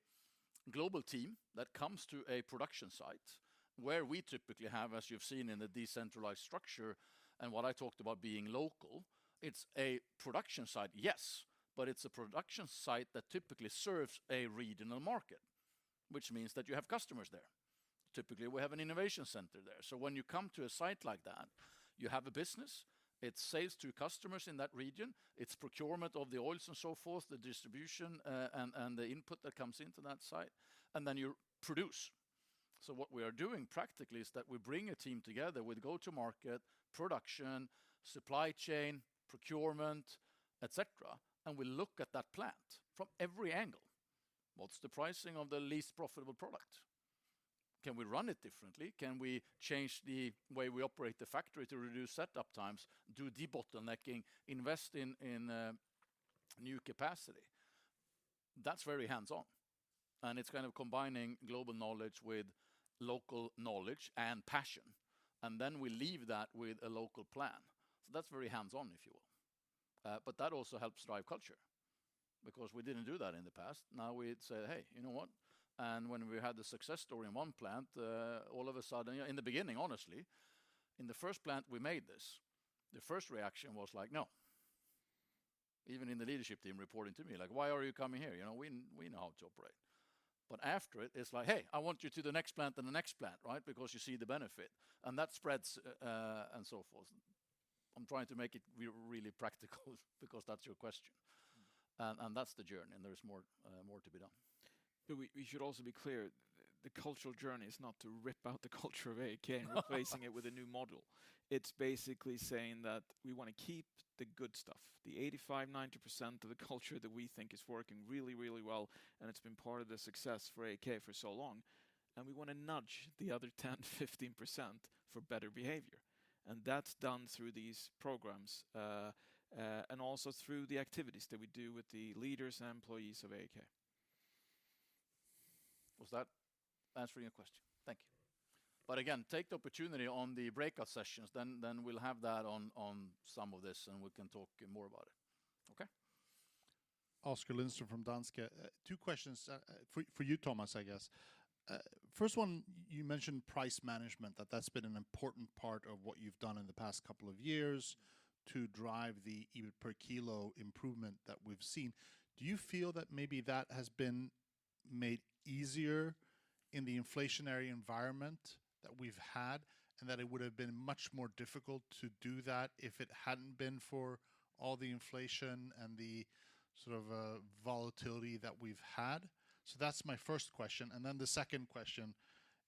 global team that comes to a production site where we typically have, as you've seen in the decentralized structure and what I talked about being local, it's a production site, yes. It's a production site that typically serves a regional market, which means that you have customers there. Typically, we have an innovation center there. When you come to a site like that, you have a business, it sells to customers in that region, it's procurement of the oils and so forth, the distribution, and the input that comes into that site, and then you produce. What we are doing practically is that we bring a team together with go-to-market, production, supply chain, procurement, et cetera, and we look at that plant from every angle. What's the pricing of the least profitable product? Can we run it differently? Can we change the way we operate the factory to reduce setup times, do debottlenecking, invest in new capacity? That's very hands-on, and it's kind of combining global knowledge with local knowledge and passion, and then we leave that with a local plan. That's very hands-on, if you will. That also helps drive culture because we didn't do that in the past. Now we'd say, "Hey, you know what?" When we had the success story in one plant, all of a sudden, you know, in the beginning, honestly, in the first plant we made this, the first reaction was like, "No." Even in the leadership team reporting to me like, "Why are you coming here?" You know, "We, we know how to operate." After it's like, "Hey, I want you to the next plant, then the next plant," right? Because you see the benefit, and that spreads and so forth. I'm trying to make it really practical because that's your question, and that's the journey, and there is more, more to be done. We should also be clear, the cultural journey is not to rip out the culture of AAK and replacing it with a new model. It's basically saying that we wanna keep the good stuff, the 85%, 90% of the culture that we think is working really, really well, and it's been part of the success for AAK for so long, and we wanna nudge the other 10%, 15% for better behavior, and that's done through these programs and also through the activities that we do with the leaders and employees of AAK. Was that answering your question? Thank you. Again, take the opportunity on the breakout sessions, then we'll have that on some of this, and we can talk more about it. Okay? Oskar Lindström from Danske. Two questions for you, Tomas, I guess. First one, you mentioned price management, that's been an important part of what you've done in the past couple of years to drive the EBIT per kilo improvement that we've seen. Do you feel that maybe that has been made easier in the inflationary environment that we've had, and that it would have been much more difficult to do that if it hadn't been for all the inflation and the sort of volatility that we've had? That's my first question. The second question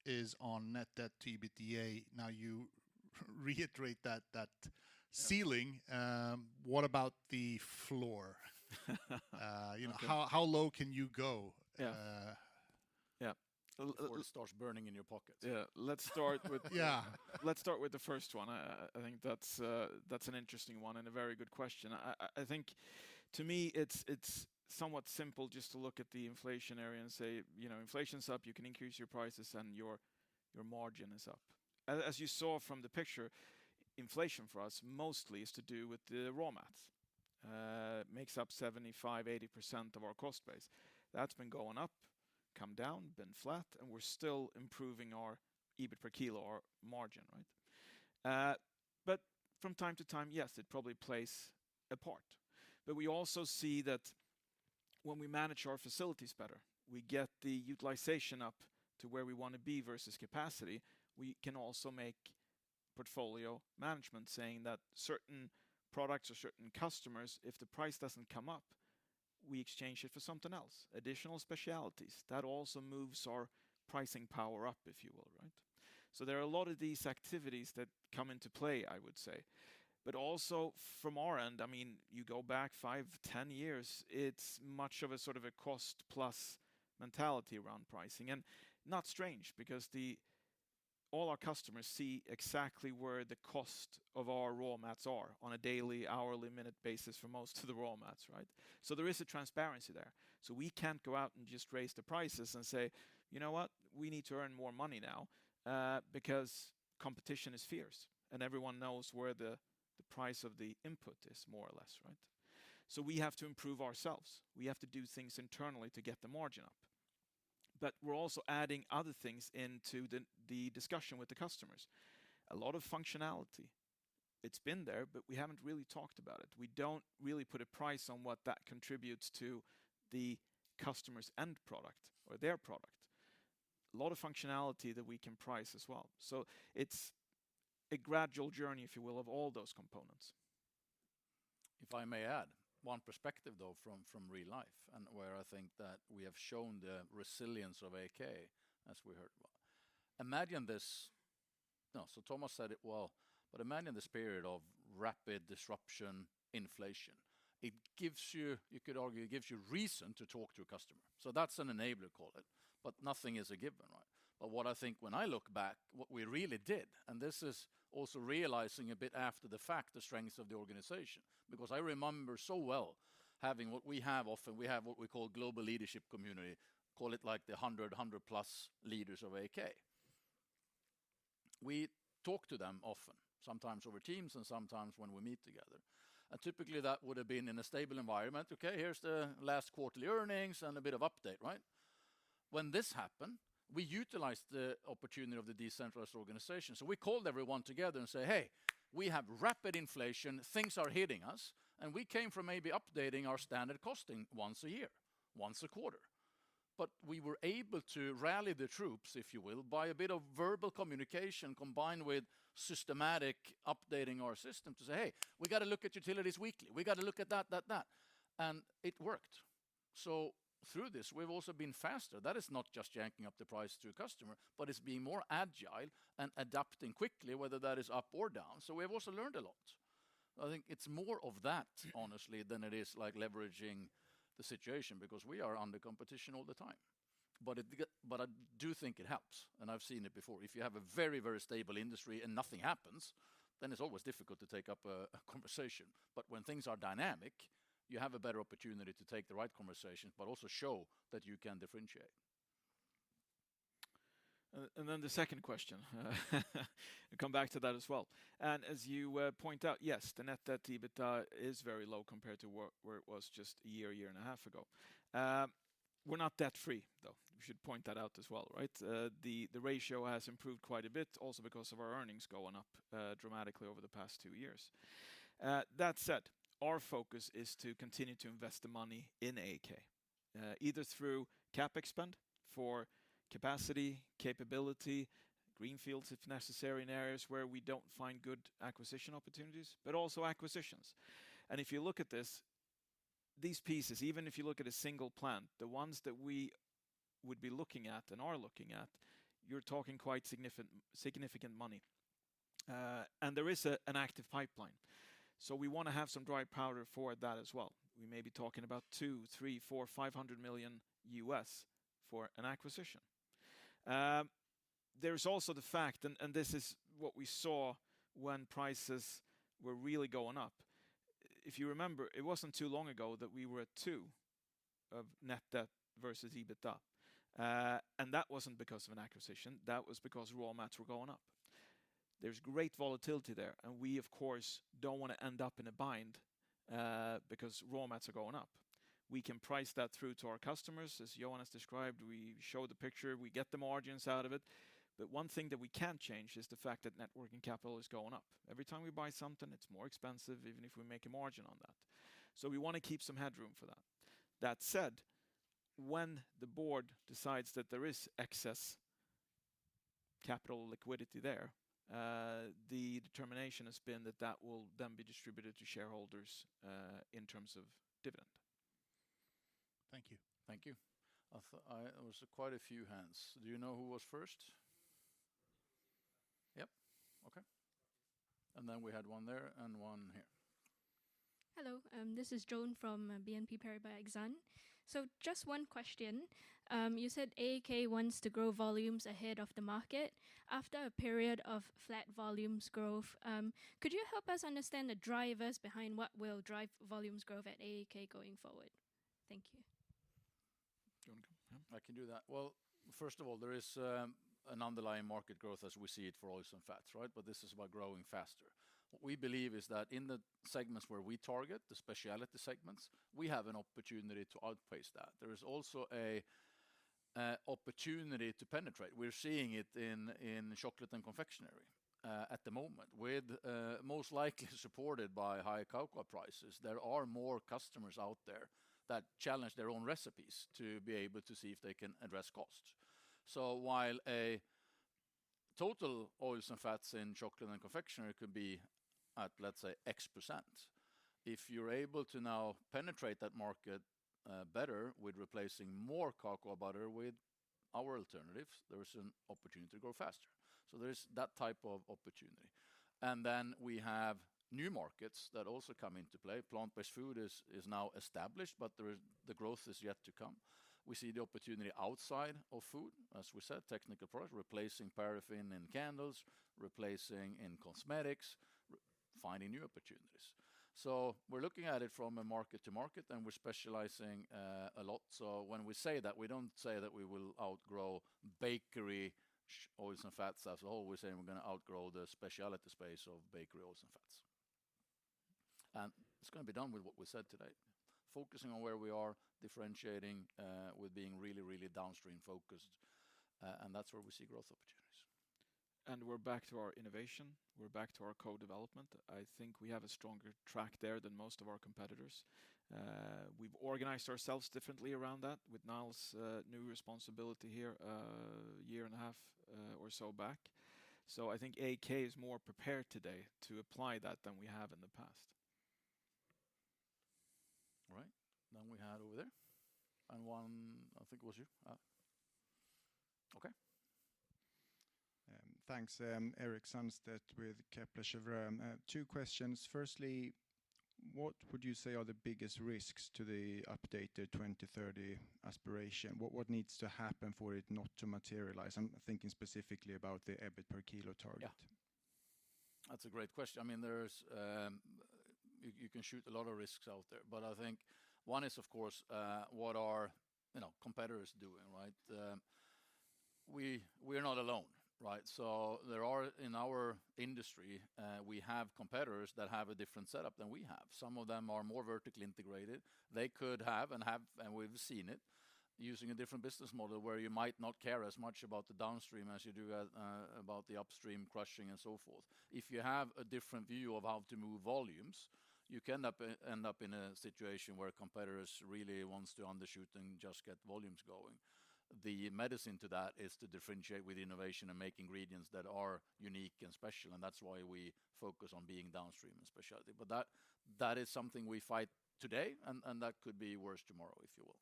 is on net debt to EBITDA. Now, you reiterate that ceiling. What about the floor? Okay. You know, how low can you go? Yeah. Before it starts burning in your pockets. Yeah. Yeah. Let's start with the first one. I think that's an interesting one and a very good question. I think to me it's somewhat simple just to look at the inflationary and say, you know, inflation's up, you can increase your prices, and your margin is up. As you saw from the picture, inflation for us mostly is to do with the raw mats. Makes up 75%, 80% of our cost base. That's been going up, come down, been flat, and we're still improving our EBIT per kilo, our margin, right? From time to time, yes, it probably plays a part. We also see that when we manage our facilities better, we get the utilization up to where we wanna be versus capacity, we can also make portfolio management saying that certain products or certain customers, if the price doesn't come up, we exchange it for something else. Additional specialties. That also moves our pricing power up, if you will, right? There are a lot of these activities that come into play, I would say. Also from our end, I mean, you go back five, 10 years, it's much of a sort of a cost plus mentality around pricing. Not strange because the all our customers see exactly where the cost of our raw mats are on a daily, hourly, minute basis for most of the raw mats, right? There is a transparency there. We can't go out and just raise the prices and say, "You know what? We need to earn more money now." Because competition is fierce, and everyone knows where the price of the input is more or less, right? We have to improve ourselves. We have to do things internally to get the margin up. We're also adding other things into the discussion with the customers. A lot of functionality. It's been there, but we haven't really talked about it. We don't really put a price on what that contributes to the customer's end product or their product. A lot of functionality that we can price as well. It's a gradual journey, if you will, of all those components. If I may add one perspective though from real life and where I think that we have shown the resilience of AAK, as we heard about. Imagine this. Tomas said it well, but imagine this period of rapid disruption, inflation. It gives you could argue, reason to talk to a customer. That's an enabler, call it, but nothing is a given, right? What I think when I look back, what we really did, and this is also realizing a bit after the fact, the strengths of the organization, because I remember so well having what we often call global leadership community, call it like the 100 plus leaders of AAK. We talk to them often, sometimes over Teams and sometimes when we meet together. Typically that would have been in a stable environment, okay, here's the last quarterly earnings and a bit of update, right? When this happened, we utilized the opportunity of the decentralized organization. We called everyone together and say, "Hey, we have rapid inflation, things are hitting us," and we came from maybe updating our standard costing once a year, once a quarter. We were able to rally the troops, if you will, by a bit of verbal communication combined with systematic updating our system to say, "Hey, we gotta look at utilities weekly. We gotta look at that, that." It worked. Through this, we've also been faster. That is not just janking up the price to a customer, but it's being more agile and adapting quickly, whether that is up or down. We have also learned a lot. I think it's more of that, honestly, than it is like leveraging the situation because we are under competition all the time. I do think it helps, and I've seen it before. If you have a very, very stable industry and nothing happens, then it's always difficult to take up a conversation. When things are dynamic, you have a better opportunity to take the right conversation, but also show that you can differentiate. Then the second question, come back to that as well. As you point out, yes, the net debt to EBITDA is very low compared to where it was just a year and a half ago. We're not debt-free, though. We should point that out as well, right? The ratio has improved quite a bit also because of our earnings going up dramatically over the past two years. That said, our focus is to continue to invest the money in AAK either through CapEx spend for capacity, capability, greenfields, if necessary, in areas where we don't find good acquisition opportunities, but also acquisitions. If you look at these pieces, even if you look at a single plant, the ones that we would be looking at and are looking at, you're talking quite significant money. There is an active pipeline. We wanna have some dry powder for that as well. We may be talking about $200 million, $300 million, $400 million, $500 million for an acquisition. There's also the fact, and this is what we saw when prices were really going up. If you remember, it wasn't too long ago that we were at two of net debt versus EBITDA. That wasn't because of an acquisition. That was because raw mats were going up. There's great volatility there, and we, of course, don't wanna end up in a bind because raw mats are going up. We can price that through to our customers. As Johan has described, we show the picture, we get the margins out of it. One thing that we can't change is the fact that net working capital is going up. Every time we buy something, it's more expensive, even if we make a margin on that. We wanna keep some headroom for that. That said, when the board decides that there is excess capital liquidity there, the determination has been that that will then be distributed to shareholders, in terms of dividend. Thank you. Thank you. There was quite a few hands. Do you know who was first? Yep. Okay. Then we had one there and one here. Hello. This is Joan from BNP Paribas Exane. Just one question. You said AAK wants to grow volumes ahead of the market after a period of flat volumes growth. Could you help us understand the drivers behind what will drive volumes growth at AAK going forward? Thank you. Do you want to? Yeah. I can do that. Well, first of all, there is an underlying market growth as we see it for oils and fats, right? This is about growing faster. What we believe is that in the segments where we target, the speciality segments, we have an opportunity to outpace that. There is also an opportunity to penetrate. We're seeing it in chocolate and confectionery at the moment with most likely supported by high cocoa prices. There are more customers out there that challenge their own recipes to be able to see if they can address costs. While a total oils and fats in chocolate and confectionery could be at, let's say, X%, if you're able to now penetrate that market better with replacing more cocoa butter with our alternatives, there is an opportunity to grow faster. There is that type of opportunity. We have new markets that also come into play. Plant-based food is now established, but the growth is yet to come. We see the opportunity outside of food, as we said, technical product, replacing paraffin in candles, replacing in cosmetics, finding new opportunities. We're looking at it from a market to market, and we're specializing a lot. When we say that, we don't say that we will outgrow bakery oils and fats as a whole. We're saying we're gonna outgrow the specialty space of bakery oils and fats. It's gonna be done with what we said today, focusing on where we are differentiating with being really, really downstream focused, and that's where we see growth opportunities. We're back to our innovation. We're back to our Co-Development. I think we have a stronger track there than most of our competitors. We've organized ourselves differently around that with Niall's new responsibility here, half years or so back. I think AAK is more prepared today to apply that than we have in the past. All right. We had over there, and one, I think it was you. Okay. Thanks. Erik Sandstedt with Kepler Cheuvreux. Two questions. Firstly, what would you say are the biggest risks to the updated 2030 Aspiration? What needs to happen for it not to materialize? I'm thinking specifically about the EBIT per kilo target. That's a great question. I mean, there's, you can shoot a lot of risks out there, but I think one is, of course, what are, you know, competitors doing, right? We're not alone, right? There are, in our industry, we have competitors that have a different setup than we have. Some of them are more vertically integrated. They could have, and have, and we've seen it, using a different business model where you might not care as much about the downstream as you do about the upstream crushing and so forth. If you have a different view of how to move volumes, you can end up in a situation where competitors really wants to undershoot and just get volumes going. The medicine to that is to differentiate with innovation and make ingredients that are unique and special, and that's why we focus on being downstream and specialty. That is something we fight today and that could be worse tomorrow, if you will.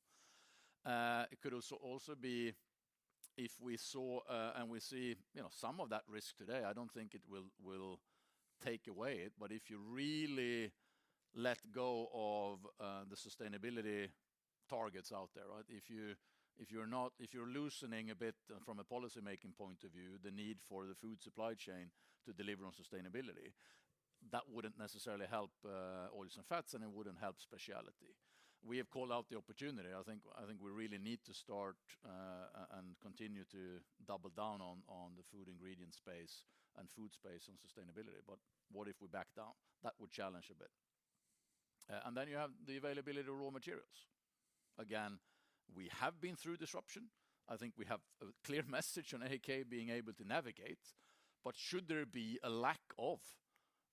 It could also be if we saw, and we see, you know, some of that risk today, I don't think it will take away it, but if you really let go of the sustainability targets out there, right? If you're loosening a bit from a policymaking point of view, the need for the food supply chain to deliver on sustainability, that wouldn't necessarily help oils and fats, and it wouldn't help specialty. We have called out the opportunity. I think we really need to start and continue to double down on the food ingredient space and food space on sustainability. What if we back down? That would challenge a bit. Then you have the availability of raw materials. Again, we have been through disruption. I think we have a clear message on AAK being able to navigate. Should there be a lack of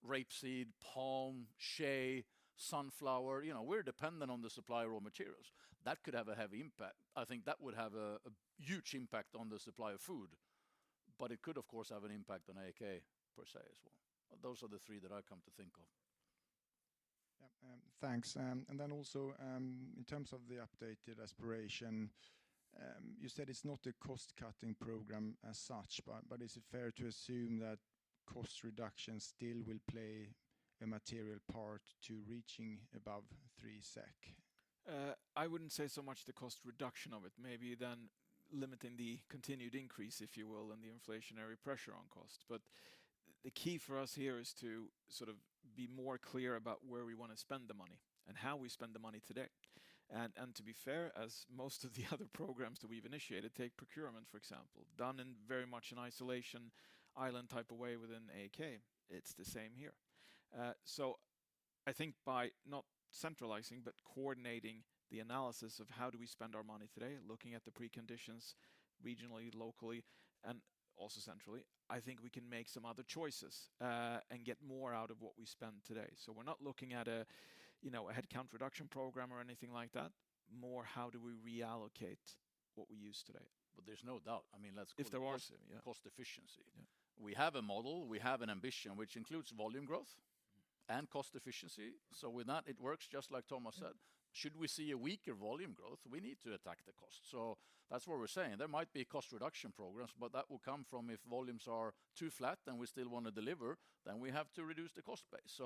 rapeseed, palm, shea, sunflower, you know, we're dependent on the supply of raw materials. That could have a heavy impact. I think that would have a huge impact on the supply of food, it could, of course, have an impact on AAK per se as well. Those are the three that I've come to think of. Yep, thanks. In terms of the updated aspiration, you said it's not a cost-cutting program as such, but is it fair to assume that cost reduction still will play a material part to reaching above 3 SEK? I wouldn't say so much the cost reduction of it. Maybe then limiting the continued increase, if you will, and the inflationary pressure on cost. The key for us here is to sort of be more clear about where we wanna spend the money and how we spend the money today. To be fair, as most of the other programs that we've initiated, take procurement, for example, done in very much an isolation island type of way within AAK. It's the same here. I think by not centralizing, but coordinating the analysis of how do we spend our money today, looking at the preconditions regionally, locally, and also centrally, I think we can make some other choices and get more out of what we spend today. We're not looking at a headcount reduction program or anything like that. More how do we reallocate what we use today. There's no doubt. If there was- call a spade a cost efficiency. Yeah. We have a model, we have an ambition, which includes volume growth and cost efficiency. With that, it works just like Thomas said. Should we see a weaker volume growth, we need to attack the cost. That's what we're saying. There might be cost reduction programs, but that will come from if volumes are too flat and we still wanna deliver, then we have to reduce the cost base.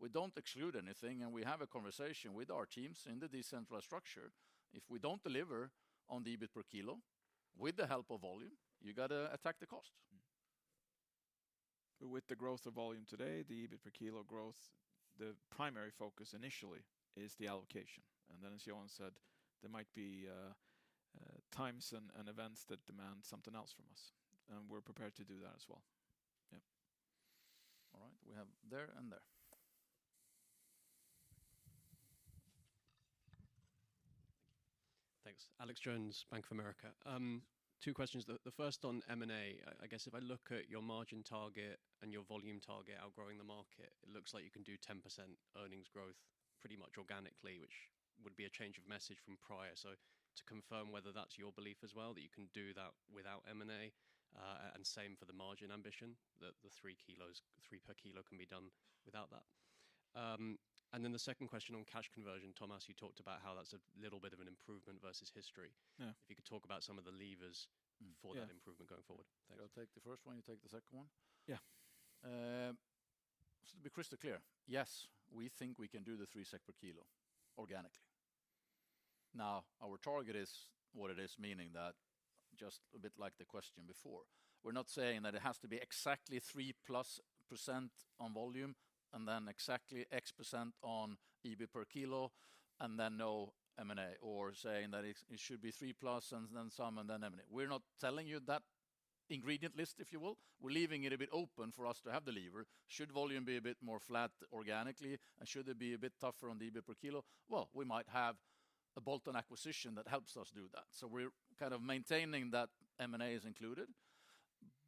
We don't exclude anything, and we have a conversation with our teams in the decentralized structure. If we don't deliver on the EBIT per kilo with the help of volume, you gotta attack the cost. With the growth of volume today, the EBIT per kilo growth, the primary focus initially is the allocation. Then as Johan said, there might be times and events that demand something else from us, and we're prepared to do that as well. Yep. All right. We have there and there. Thanks. Alex Jones, Bank of America two questions. The first on M&A. I guess if I look at your margin target and your volume target outgrowing the market, it looks like you can do 10% earnings growth pretty much organically, which would be a change of message from prior. To confirm whether that's your belief as well, that you can do that without M&A. And same for the margin ambition, the 3 kilos, 3 per kilo can be done without that. The second question on cash conversion, Tomas, you talked about how that's a little bit of an improvement versus history. Yeah. If you could talk about some of the levers. Yeah. For that improvement going forward. Thanks. I'll take the first one, you take the second one? Yeah. To be crystal clear, yes, we think we can do the 3 SEK per kilo organically. Our target is what it is, meaning that just a bit like the question before, we're not saying that it has to be exactly 3%+ on volume and then exactly X percent on EBIT per kilo, and then no M&A, or saying that it should be 3+ and then some and then M&A. We're not telling you that ingredient list, if you will. We're leaving it a bit open for us to have the lever. Should volume be a bit more flat organically, and should it be a bit tougher on the EBIT per kilo, we might have a bolt-on acquisition that helps us do that. We're kind of maintaining that M&A is included,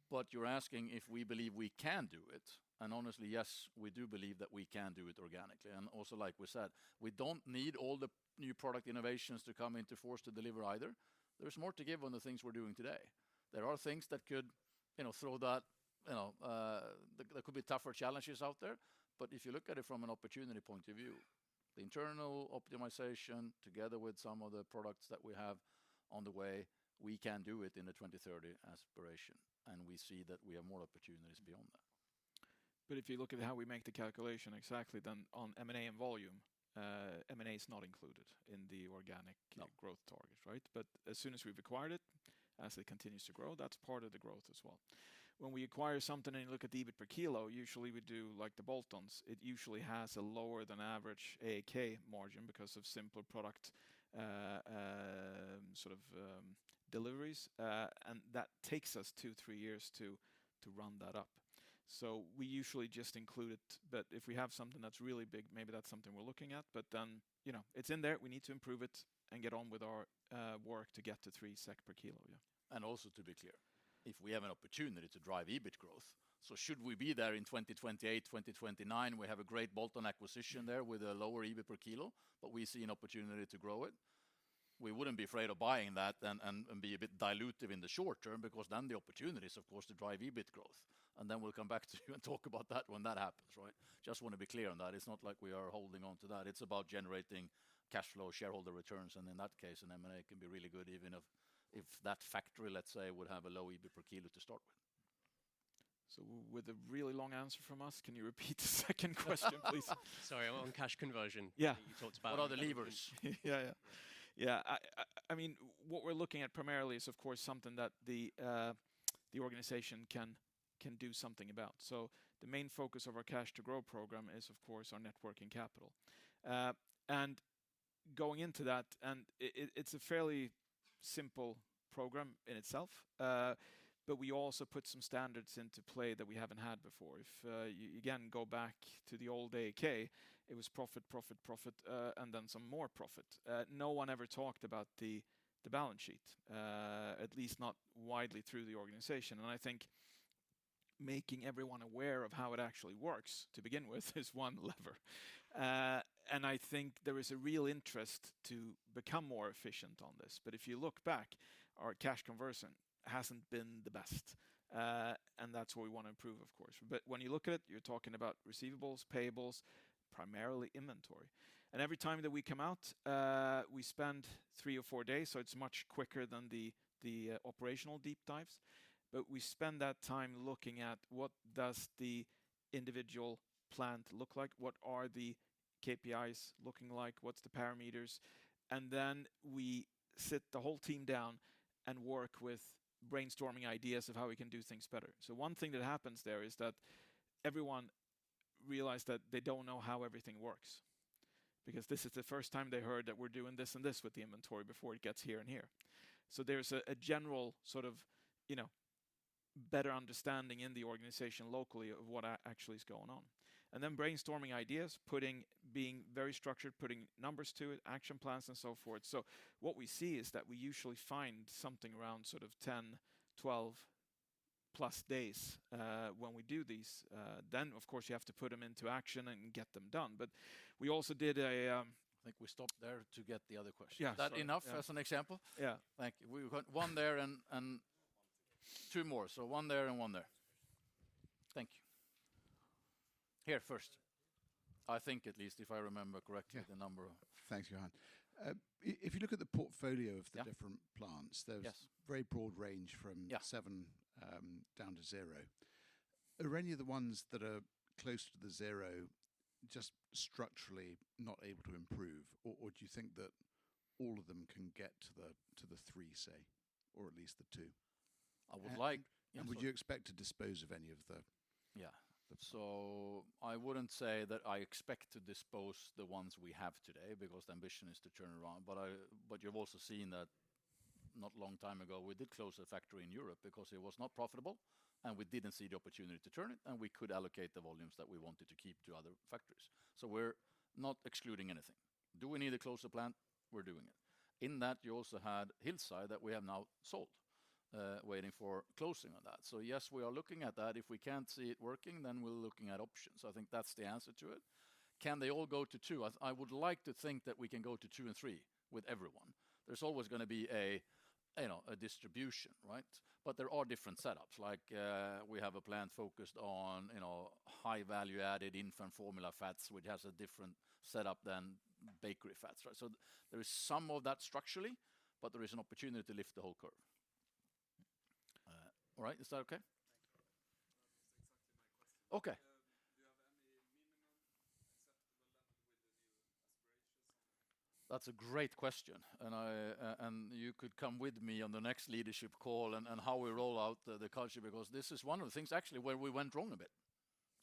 but you're asking if we believe we can do it. Honestly, yes, we do believe that we can do it organically. Also, like we said, we don't need all the new product innovations to come into force to deliver either. There's more to give on the things we're doing today. There could be tougher challenges out there. If you look at it from an opportunity point of view, the internal optimization together with some of the products that we have on the way, we can do it in the 2030 Aspiration, and we see that we have more opportunities beyond that. If you look at how we make the calculation exactly then on M&A and volume, M&A is not included in the organic- No Growth target, right? As soon as we've acquired it, as it continues to grow, that's part of the growth as well. When we acquire something and you look at EBIT per kilo, usually we do like the bolt-ons. It usually has a lower than average AAK margin because of simpler product, sort of deliveries. That takes us two, three years to run that up. We usually just include it, but if we have something that's really big, maybe that's something we're looking at. Then, you know, it's in there. We need to improve it and get on with our work to get to 3 SEK per kilo, yeah. Also to be clear, if we have an opportunity to drive EBIT growth, should we be there in 2028, 2029, we have a great bolt-on acquisition there with a lower EBIT per kilo, but we see an opportunity to grow it. We wouldn't be afraid of buying that and be a bit dilutive in the short term because the opportunity is, of course, to drive EBIT growth, we'll come back to you and talk about that when that happens, right. Just want to be clear on that. It's not like we are holding on to that. It's about generating cash flow, shareholder returns, in that case, an M&A can be really good even if that factory, let's say, would have a low EBIT per kilo to start with. With a really long answer from us, can you repeat the second question, please? Sorry, on cash conversion. Yeah. You talked about- What are the levers? Yeah, yeah. Yeah. I mean, what we're looking at primarily is, of course, something that the organization can do something about. The main focus of our cash-to-grow program is, of course, our net working capital. Going into that, it's a fairly simple program in itself. We also put some standards into play that we haven't had before. If you again go back to the old AAK, it was profit, profit, and then some more profit. No one ever talked about the balance sheet, at least not widely through the organization. I think making everyone aware of how it actually works to begin with is one lever. I think there is a real interest to become more efficient on this. If you look back, our cash conversion hasn't been the best, and that's what we want to improve, of course. When you look at it, you're talking about receivables, payables, primarily inventory. Every time that we come out, we spend three or four days, so it's much quicker than the operational deep dives. We spend that time looking at what does the individual plant look like? What are the KPIs looking like? What's the parameters? We sit the whole team down and work with brainstorming ideas of how we can do things better. One thing that happens there is that everyone realized that they don't know how everything works because this is the first time they heard that we're doing this and this with the inventory before it gets here and here. There's a general sort of, you know, better understanding in the organization locally of what actually is going on. Then brainstorming ideas, being very structured, putting numbers to it, action plans, and so forth. What we see is that we usually find something around sort of 10, 12+ days when we do these. Then of course, you have to put them into action and get them done. We also did a. I think we stop there to get the other question. Yeah. That enough as an example? Yeah. Thank you. We've got one there and two more. One there and one there. Thank you. Here first. I think at least, if I remember correctly. Thanks, Johan. if you look at the portfolio Yeah Different plants. Yes There's very broad range. Yeah Seven, down to zero. Are any of the ones that are close to the zero just structurally not able to improve? Or do you think that all of them can get to the, to the three, say, or at least the two? I would like- Would you expect to dispose of any of the. I wouldn't say that I expect to dispose the ones we have today because the ambition is to turn around. You've also seen that not long time ago, we did close a factory in Europe because it was not profitable, and we didn't see the opportunity to turn it, and we could allocate the volumes that we wanted to keep to other factories. We're not excluding anything. Do we need to close a plant? We're doing it. In that, you also had Hillside that we have now sold, waiting for closing on that. Yes, we are looking at that. If we can't see it working, then we're looking at options. I think that's the answer to it. Can they all go to two? I would like to think that we can go to two and three with everyone. There's always going to be a, you know, a distribution, right? But there are different setups, like, we have a plant focused on, you know, high value added infant formula fats, which has a different setup than bakery fats, right? There is some of that structurally, but there is an opportunity to lift the whole curve. All right. Is that okay? That was exactly my question. Okay. Do you have any minimum acceptable level with the new aspirations? That's a great question. I and you could come with me on the next leadership call and how we roll out the culture because this is one of the things actually where we went wrong a bit.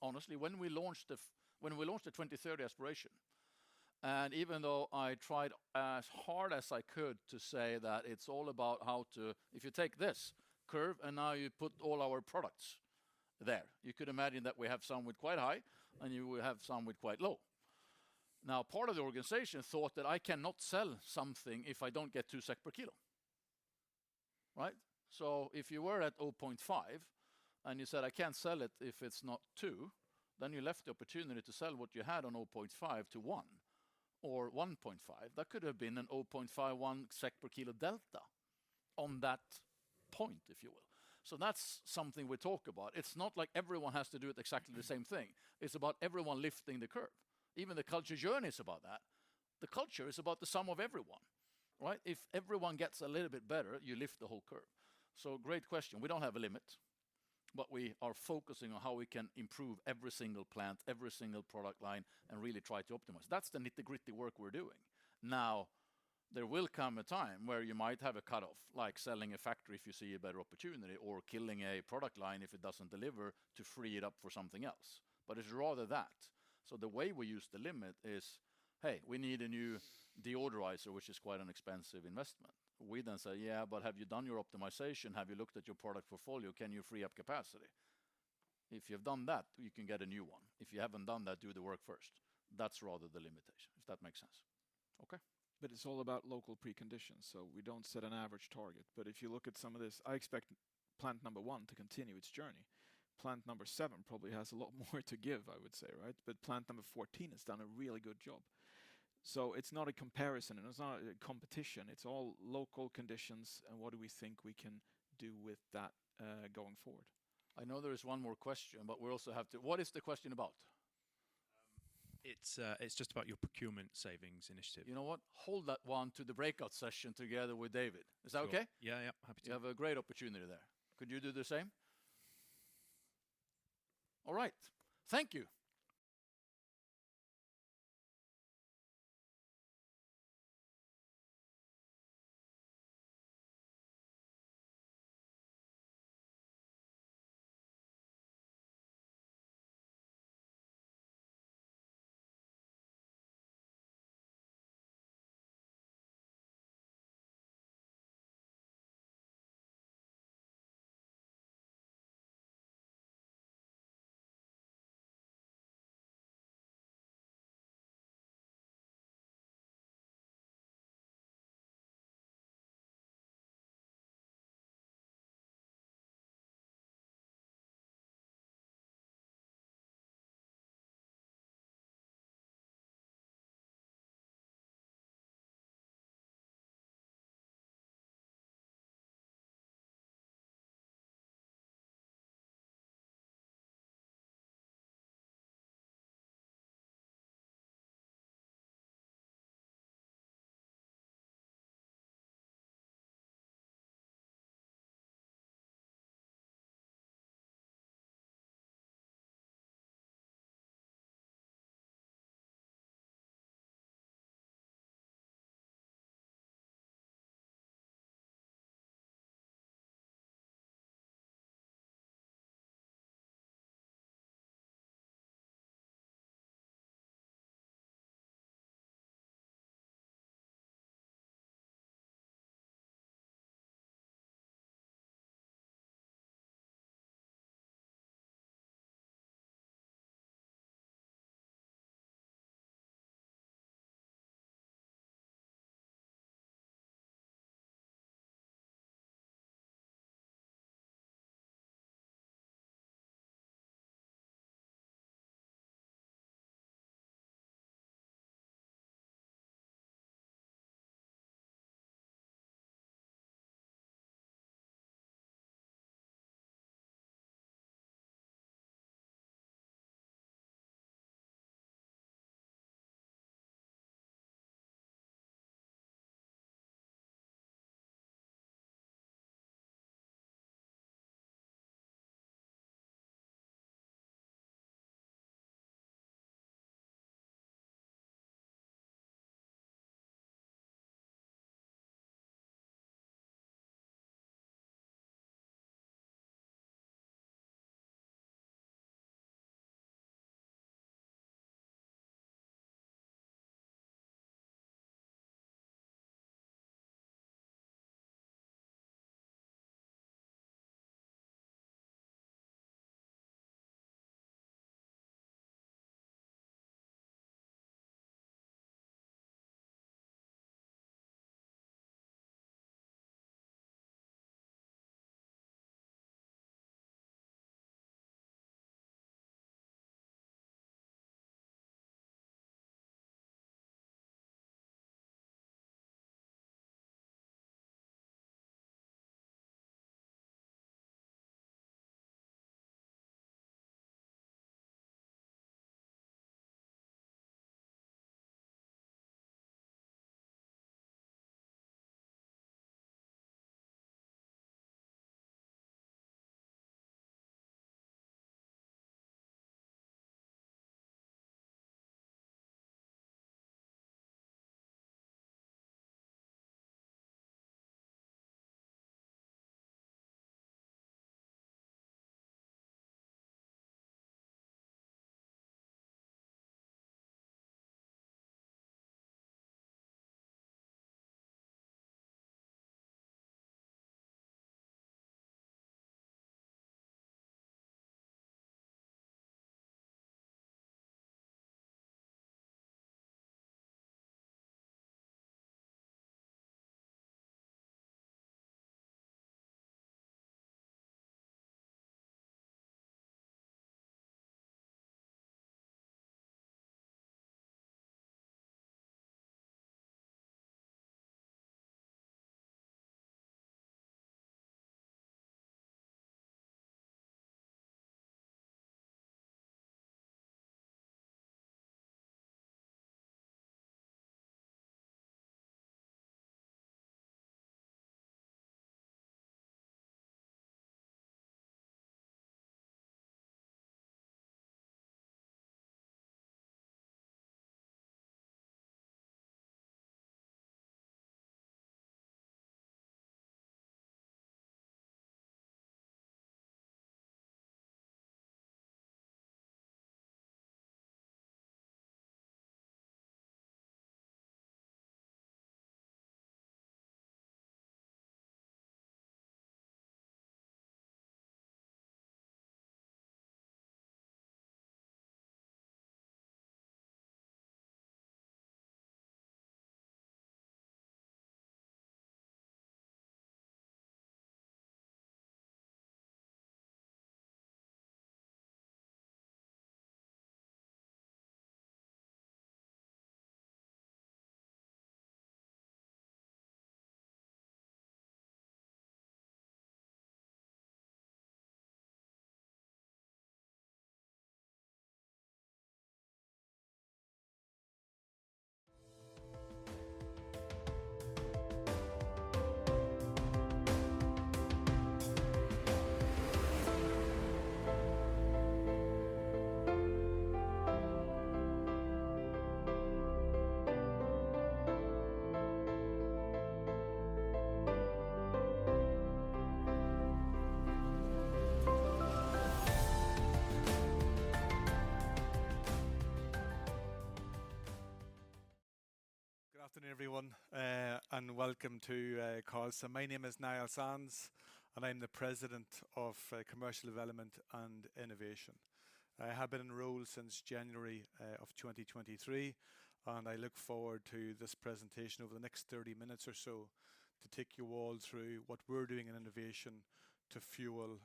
Honestly, when we launched the 2030 Aspiration, even though I tried as hard as I could to say that it's all about how to If you take this curve, now you put all our products there. You could imagine that we have some with quite high, you will have some with quite low. Now, part of the organization thought that I cannot sell something if I don't get 2 SEK per kilo, right? If you were at 0.5 and you said, "I can't sell it if it's not 2," then you left the opportunity to sell what you had on 0.5-1 or 1.5. That could have been an 0.51 SEK per kilo delta on that point, if you will. That's something we talk about. It's not like everyone has to do it exactly the same thing. It's about everyone lifting the curve. Even the culture journey is about that. The culture is about the sum of everyone, right? If everyone gets a little bit better, you lift the whole curve. Great question. We don't have a limit, but we are focusing on how we can improve every single plant, every single product line, and really try to optimize. That's the nitty-gritty work we're doing. Now, there will come a time where you might have a cutoff, like selling a factory if you see a better opportunity or killing a product line if it doesn't deliver to free it up for something else. It's rather that. The way we use the limit is, "Hey, we need a new deodorizer," which is quite an expensive investment. We then say, "Have you done your optimization? Have you looked at your product portfolio? Can you free up capacity? If you've done that, you can get a new one. If you haven't done that, do the work first." That's rather the limitation, if that makes sense. It's all about local preconditions, so we don't set an average target. If you look at some of this, I expect plant one to continue its journey. Plant sevenprobably has a lot more to give, I would say, right? Plant 14 has done a really good job. It's not a comparison and it's not a competition. It's all local conditions, and what do we think we can do with that going forward. I know there is one more question. What is the question about? It's just about your Procurement Savings Initiative. You know what? Hold that one to the breakout session together with David. Is that okay? Sure. Yeah, yeah. Happy to. You have a great opportunity there. Could you do the same? All right. Thank you. Good afternoon, everyone, and welcome to call. My name is Niall Sands, and I'm the President of Commercial Development and Innovation. I have been in role since January 2023, and I look forward to this presentation over the next 30 minutes or so to take you all through what we're doing in innovation to fuel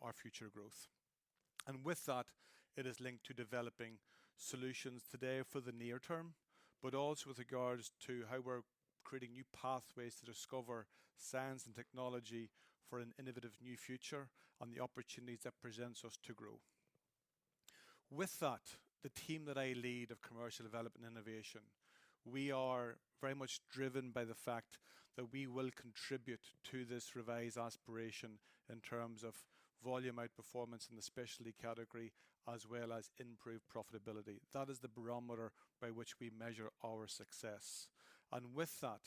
our future growth. With that, it is linked to developing solutions today for the near term, but also with regards to how we're creating new pathways to discover science and technology for an innovative new future and the opportunities that presents us to grow. With that, the team that I lead of Commercial Development Innovation, we are very much driven by the fact that we will contribute to this revised aspiration in terms of volume outperformance in the specialty category, as well as improved profitability. That is the barometer by which we measure our success. With that,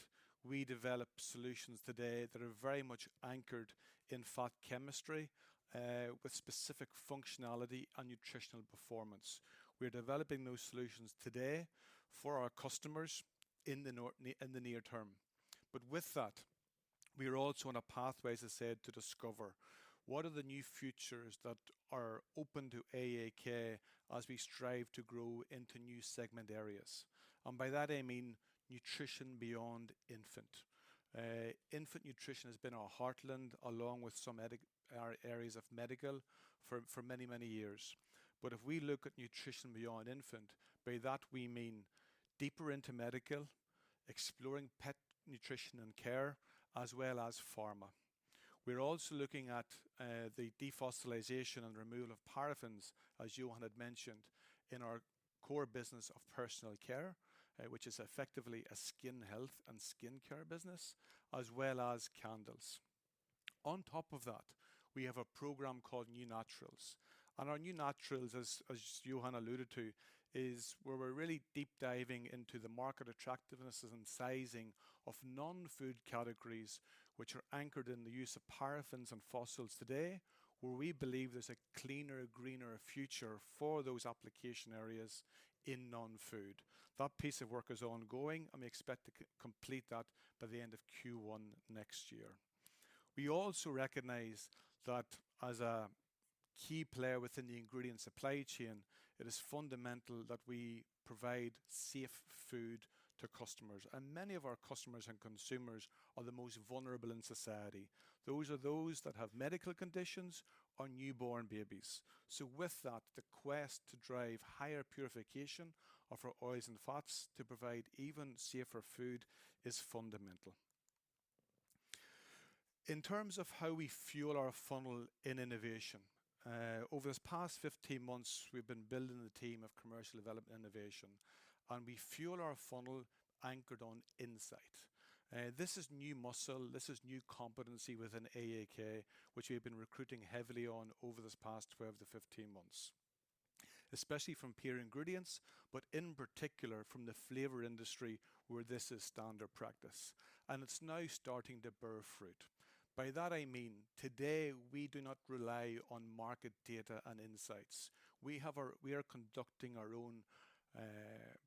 we develop solutions today that are very much anchored in fat chemistry, with specific functionality and nutritional performance. We're developing those solutions today for our customers in the near term. With that, we are also on a pathway, as I said, to discover what are the new futures that are open to AAK as we strive to grow into new segment areas. By that, I mean nutrition beyond infant. Infant nutrition has been our heartland, along with some areas of medical for many, many years. If we look at nutrition beyond infant, by that we mean deeper into medical, exploring pet nutrition and care, as well as pharma. We're also looking at the defossilization and removal of paraffins, as Johan had mentioned, in our core business of personal care, which is effectively a skin health and skincare business, as well as candles. On top of that, we have a program called New Naturals. Our New Naturals, as Johan alluded to, is where we're really deep diving into the market attractiveness and sizing of non-food categories, which are anchored in the use of paraffins and fossils today, where we believe there's a cleaner, greener future for those application areas in non-food. That piece of work is ongoing, and we expect to complete that by the end of Q1 next year. We also recognize that as a key player within the ingredient supply chain, it is fundamental that we provide safe food to customers. Many of our customers and consumers are the most vulnerable in society. Those are those that have medical conditions or newborn babies. With that, the quest to drive higher purification of our oils and fats to provide even safer food is fundamental. In terms of how we fuel our funnel in innovation, over this past 15 months, we've been building the team of Commercial Development and Innovation, and we fuel our funnel anchored on insight. This is new muscle. This is new competency within AAK, which we have been recruiting heavily on over this past 12 to 15 months, especially from peer ingredients, but in particular from the flavor industry where this is standard practice. It's now starting to bear fruit. By that, I mean today we do not rely on market data and insights. We are conducting our own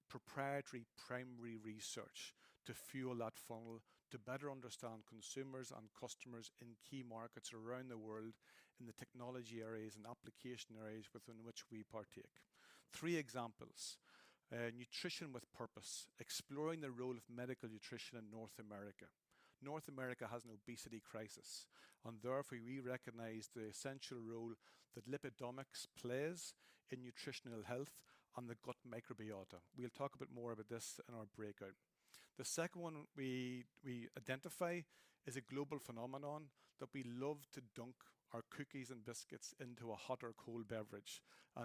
proprietary primary research to fuel that funnel to better understand consumers and customers in key markets around the world in the technology areas and application areas within which we partake. Three examples. Nutrition with purpose, exploring the role of medical nutrition in North America. North America has an obesity crisis, and therefore we recognize the essential role that lipidomics plays in nutritional health on the gut microbiota. We'll talk a bit more about this in our breakout. The second one we identify is a global phenomenon that we love to dunk our cookies and biscuits into a hot or cold beverage.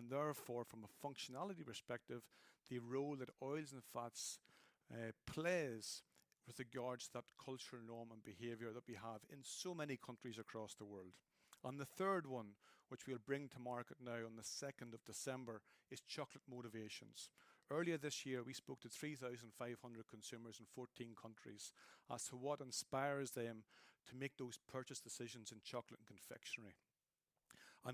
Therefore, from a functionality perspective, the role that oils and fats plays with regards to that cultural norm and behavior that we have in so many countries across the world. The third one, which we'll bring to market now on the 2nd of December, is chocolate motivations. Earlier this year, we spoke to 3,500 consumers in 14 countries as to what inspires them to make those purchase decisions in chocolate and confectionery.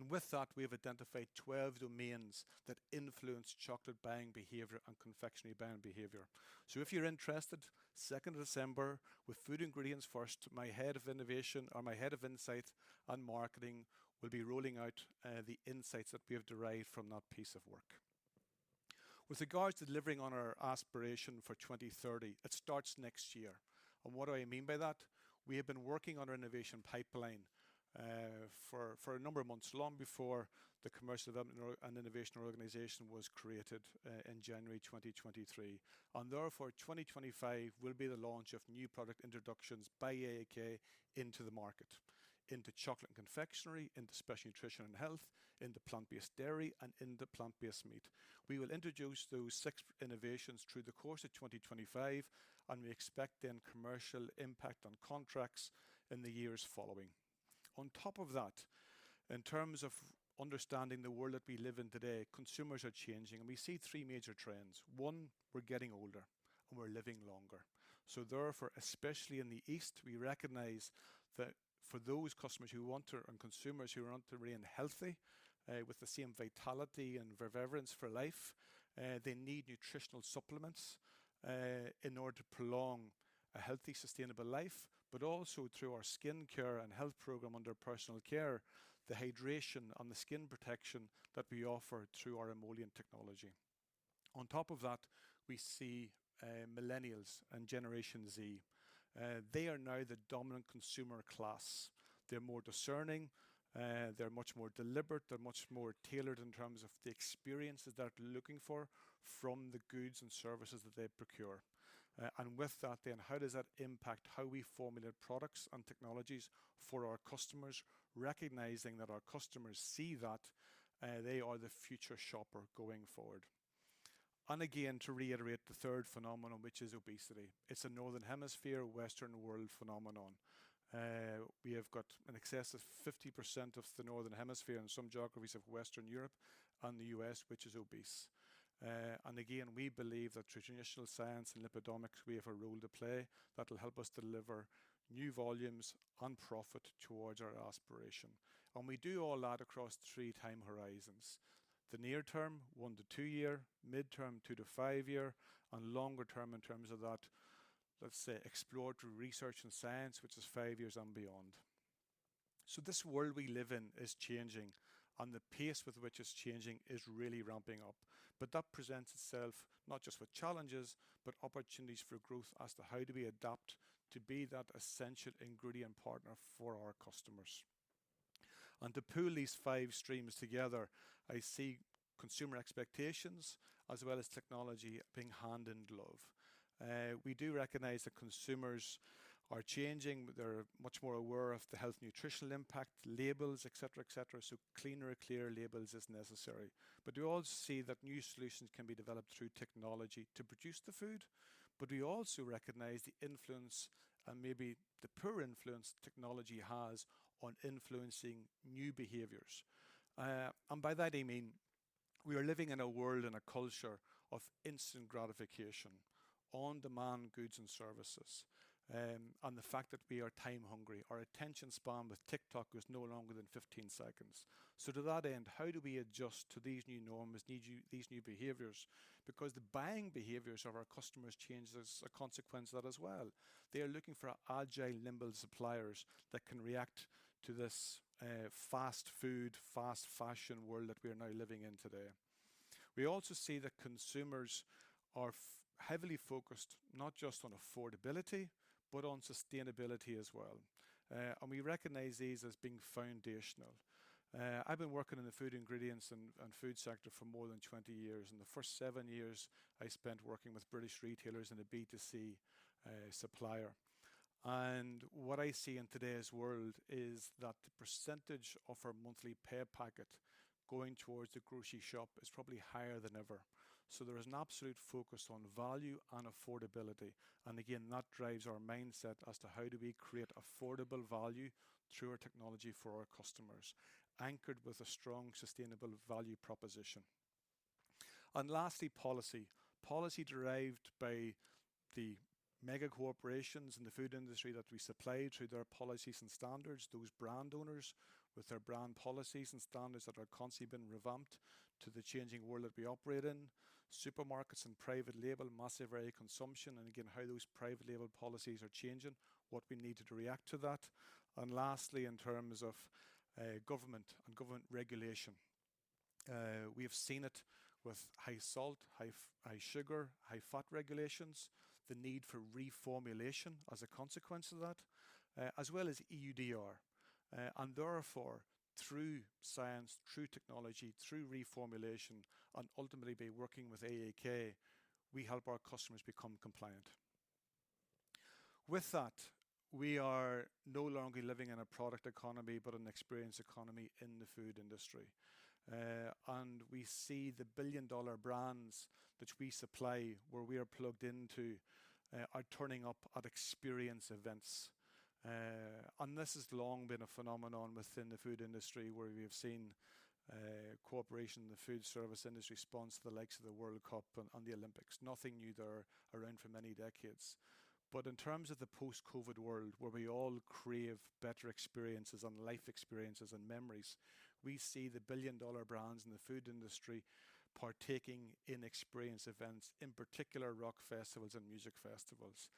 With that, we have identified 12 domains that influence chocolate buying behavior and confectionery buying behavior. If you're interested, 2nd of December, with Food Ingredients First, my head of innovation or my head of insight on marketing will be rolling out the insights that we have derived from that piece of work. With regards to delivering on our 2030 Aspiration, it starts next year. What do I mean by that? We have been working on our innovation pipeline for a number of months, long before the Commercial Development and Innovation organization was created in January 2023. Therefore, 2025 will be the launch of new product introductions by AAK into the market, into Chocolate & Confectionery, into special nutrition and health, into plant-based dairy, and into plant-based meat. We will introduce those six innovations through the course of 2025. We expect then commercial impact on contracts in the years following. On top of that, in terms of understanding the world that we live in today, consumers are changing. We see three major trends. One, we're getting older and we're living longer. Therefore, especially in the East, we recognize that for those customers who want to, and consumers who want to remain healthy, with the same vitality and reverence for life, they need nutritional supplements in order to prolong a healthy, sustainable life, also through our skincare and health program under personal care, the hydration and the skin protection that we offer through our emollient technology. We see millennials and Generation Z. They are now the dominant consumer class. They're more discerning. They're much more deliberate. They're much more tailored in terms of the experiences they're looking for from the goods and services that they procure. How does that impact how we formulate products and technologies for our customers, recognizing that our customers see that they are the future shopper going forward. Again, to reiterate the third phenomenon, which is obesity. It's a Northern Hemisphere, Western world phenomenon. We have got in excess of 50% of the Northern Hemisphere and some geographies of Western Europe and the U.S. which is obese. Again, we believe that through traditional science and lipidomics, we have a role to play that'll help us deliver new volumes and profit towards our Aspiration. We do all that across three time horizons. The near term, one to two year, midterm, two to five year, and longer term in terms of that, let's say, exploratory research and science, which is five years and beyond. This world we live in is changing, and the pace with which it's changing is really ramping up. That presents itself not just with challenges but opportunities for growth as to how do we adapt to be that essential ingredient partner for our customers. To pull these five streams together, I see consumer expectations as well as technology being hand in glove. We do recognize that consumers are changing. They're much more aware of the health nutritional impact, labels, et cetera, et cetera, so cleaner, clearer labels is necessary. We also see that new solutions can be developed through technology to produce the food. We also recognize the influence and maybe the poor influence technology has on influencing new behaviors. By that I mean we are living in a world and a culture of instant gratification, on-demand goods and services, and the fact that we are time hungry. Our attention span with TikTok is no longer than 15 seconds. To that end, how do we adjust to these new norms, these new behaviors? The buying behaviors of our customers change as a consequence of that as well. They are looking for agile, nimble suppliers that can react to this fast food, fast fashion world that we are now living in today. We also see that consumers are heavily focused not just on affordability, but on sustainability as well. We recognize these as being foundational. I've been working in the Food Ingredients and food sector for more than 20 years, and the first seven years I spent working with British retailers in a B2C supplier. What I see in today's world is that the percentage of our monthly pay packet going towards the grocery shop is probably higher than ever. There is an absolute focus on value and affordability, and again, that drives our mindset as to how do we create affordable value through our technology for our customers, anchored with a strong, sustainable value proposition. Lastly, policy. Policy derived by the mega corporations in the food industry that we supply through their policies and standards, those brand owners with their brand policies and standards that are constantly being revamped to the changing world that we operate in. Supermarkets and private label, massive area consumption, and again, how those private label policies are changing, what we need to do to react to that. Lastly, in terms of government and government regulation. We have seen it with high salt, high sugar, high fat regulations, the need for reformulation as a consequence of that, as well as EUDR. Therefore, through science, through technology, through reformulation, and ultimately by working with AAK, we help our customers become compliant. With that, we are no longer living in a product economy, but an experience economy in the food industry. We see the billion-dollar brands which we supply, where we are plugged into, are turning up at experience events. This has long been a phenomenon within the food industry, where we have seen cooperation in the food service industry response to the likes of the World Cup and the Olympics. Nothing new there, around for many decades. In terms of the post-COVID world, where we all crave better experiences and life experiences and memories, we see the billion-dollar brands in the food industry partaking in experience events, in particular rock festivals and music festivals.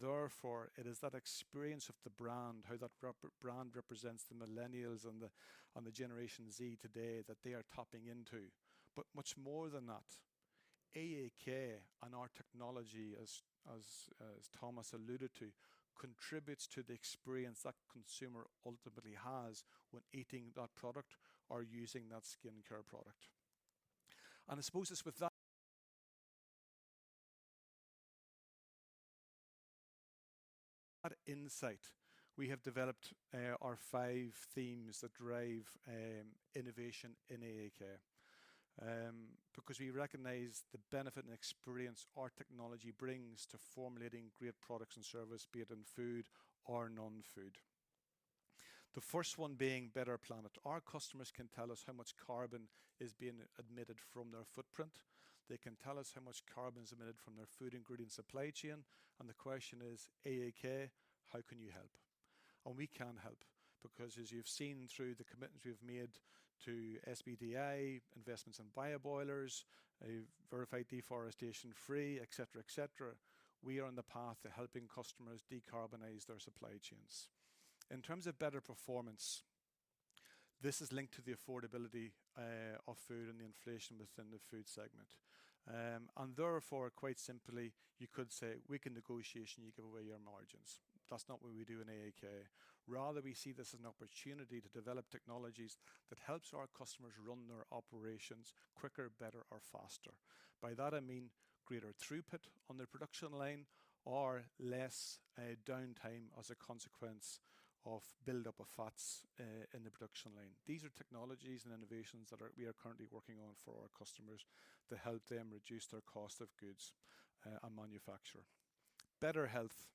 Therefore, it is that experience of the brand, how that brand represents the millennials and the Generation Z today that they are tapping into. Much more than that, AAK and our technology as Thomas alluded to, contributes to the experience that consumer ultimately has when eating that product or using that skincare product. I suppose it's with that insight, we have developed our five themes that drive innovation in AAK. Because we recognize the benefit and experience our technology brings to formulating great products and service, be it in food or non-food. The first one being better planet. Our customers can tell us how much carbon is being emitted from their footprint. They can tell us how much carbon is emitted from their food ingredient supply chain, and the question is, "AAK, how can you help?" We can help because as you've seen through the commitments we've made to SBTi, investments in bio boilers, a verified deforestation free, et cetera, et cetera, we are on the path to helping customers decarbonize their supply chains. In terms of better performance, this is linked to the affordability of food and the inflation within the food segment. Therefore, quite simply, you could say, "Weak in negotiation, you give away your margins." That's not what we do in AAK. We see this as an opportunity to develop technologies that helps our customers run their operations quicker, better or faster. By that, I mean greater throughput on their production line or less downtime as a consequence of buildup of fats in the production line. These are technologies and innovations that we are currently working on for our customers to help them reduce their cost of goods and manufacture better health.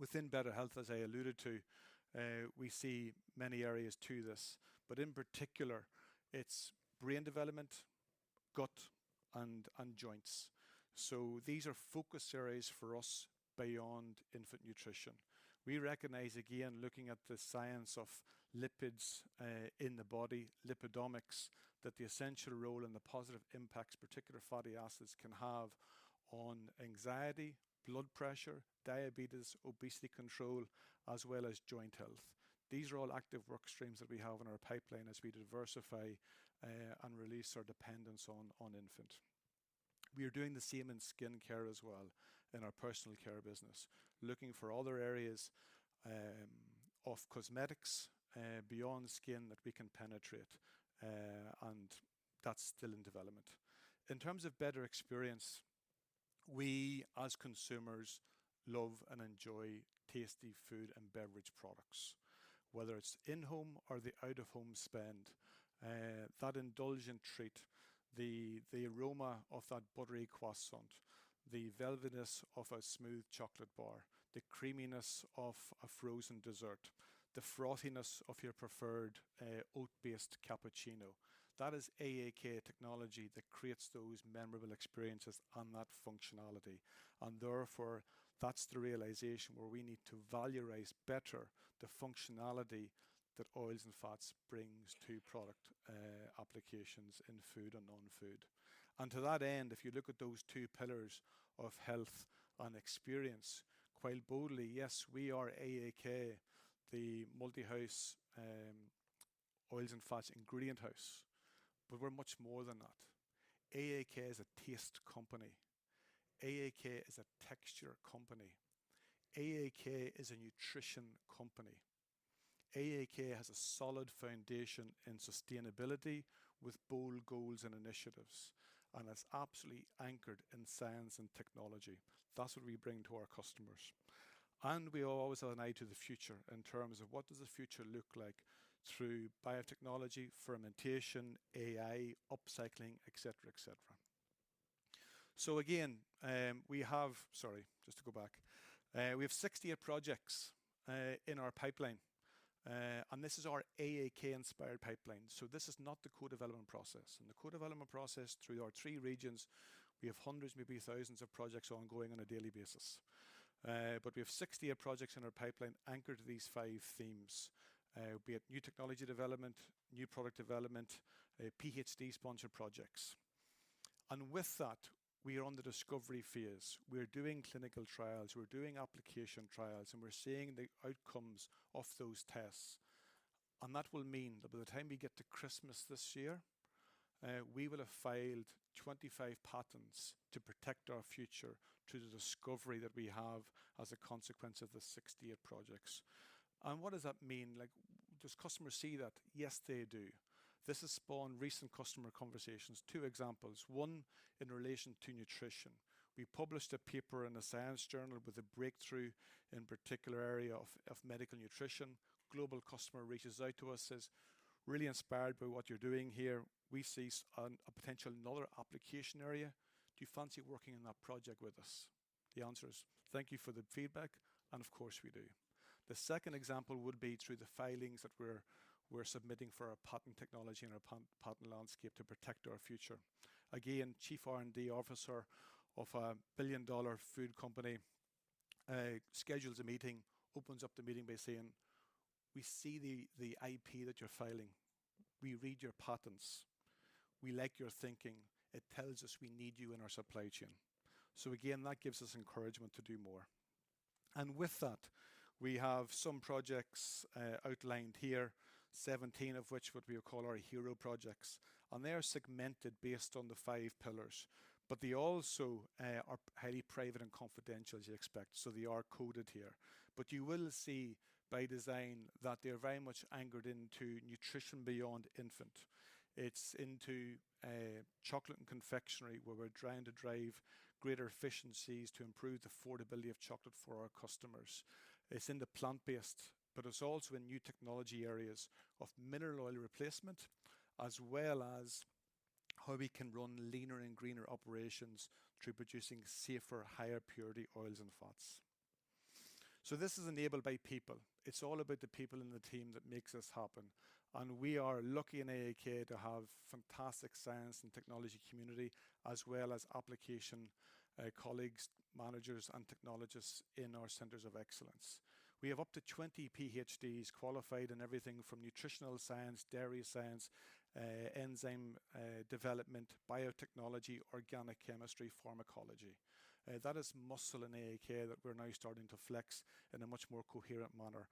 Within better health, as I alluded to, we see many areas to this, but in particular, it's brain development, gut, and joints. These are focus areas for us beyond infant nutrition. We recognize, again, looking at the science of lipids in the body, lipidomics, that the essential role and the positive impacts particular fatty acids can have on anxiety, blood pressure, diabetes, obesity control, as well as joint health. These are all active work streams that we have in our pipeline as we diversify and release our dependence on infant. We are doing the same in skincare as well, in our personal care business. Looking for other areas of cosmetics beyond skin that we can penetrate, and that's still in development. In terms of better experience, we as consumers love and enjoy tasty food and beverage products. Whether it's in-home or the out-of-home spend, that indulgent treat, the aroma of that buttery croissant, the velvetiness of a smooth chocolate bar, the creaminess of a frozen dessert, the frothiness of your preferred oat-based cappuccino, that is AAK technology that creates those memorable experiences and that functionality. Therefore, that's the realization where we need to valorize better the functionality that oils and fats brings to product applications in food and non-food. To that end, if you look at those two pillars of health and experience, quite boldly, yes, we are AAK, the multi-house, oils and fats ingredient house, but we're much more than that. AAK is a taste company. AAK is a texture company. AAK is a nutrition company. AAK has a solid foundation in sustainability with bold goals and initiatives, and it's absolutely anchored in science and technology. That's what we bring to our customers. We always have an eye to the future in terms of what does the future look like through biotechnology, fermentation, AI, upcycling, et cetera, et cetera. Again, Sorry, just to go back. We have 68 projects in our pipeline, and this is our AAK-inspired pipeline, so this is not the Co-Development process. In the Co-Development process, through our three regions, we have hundreds, maybe thousands of projects ongoing on a daily basis. We have 68 projects in our pipeline anchored to these five themes, be it new technology development, new product development, PhD-sponsored projects. With that, we are on the discovery phase. We're doing clinical trials, we're doing application trials, and we're seeing the outcomes of those tests. That will mean that by the time we get to Christmas this year, we will have filed 25 patents to protect our future through the discovery that we have as a consequence of the 68 projects. What does that mean? Like, does customers see that? Yes, they do. This has spawned recent customer conversations. Two examples. One, in relation to nutrition. We published a paper in a science journal with a breakthrough in particular area of medical nutrition. Global customer reaches out to us, says, "Really inspired by what you're doing here. We see a potential another application area. Do you fancy working on that project with us?" The answer is, "Thank you for the feedback, and of course, we do." The second example would be through the filings that we're submitting for a patent technology and a patent landscape to protect our future. Again, Chief R&D Officer of a billion-dollar food company schedules a meeting, opens up the meeting by saying, "We see the IP that you're filing. We read your patents. We like your thinking. It tells us we need you in our supply chain." Again, that gives us encouragement to do more. With that, we have some projects outlined here, 17 of which what we would call our hero projects, and they are segmented based on the five pillars. They also are highly private and confidential as you expect. They are coded here. You will see by design that they're very much anchored into nutrition beyond infant. It's into chocolate and confectionery, where we're trying to drive greater efficiencies to improve the affordability of chocolate for our customers. It's into plant-based, but it's also in new technology areas of mineral oil replacement, as well as how we can run leaner and greener operations through producing safer, higher purity oils and fats. This is enabled by people. It's all about the people in the team that makes this happen. We are lucky in AAK to have fantastic science and technology community, as well as application colleagues, managers, and technologists in our Centers of Excellence. We have up to 20 PhDs qualified in everything from nutritional science, dairy science, enzyme development, biotechnology, organic chemistry, pharmacology. That is muscle in AAK that we're now starting to flex in a much more coherent manner.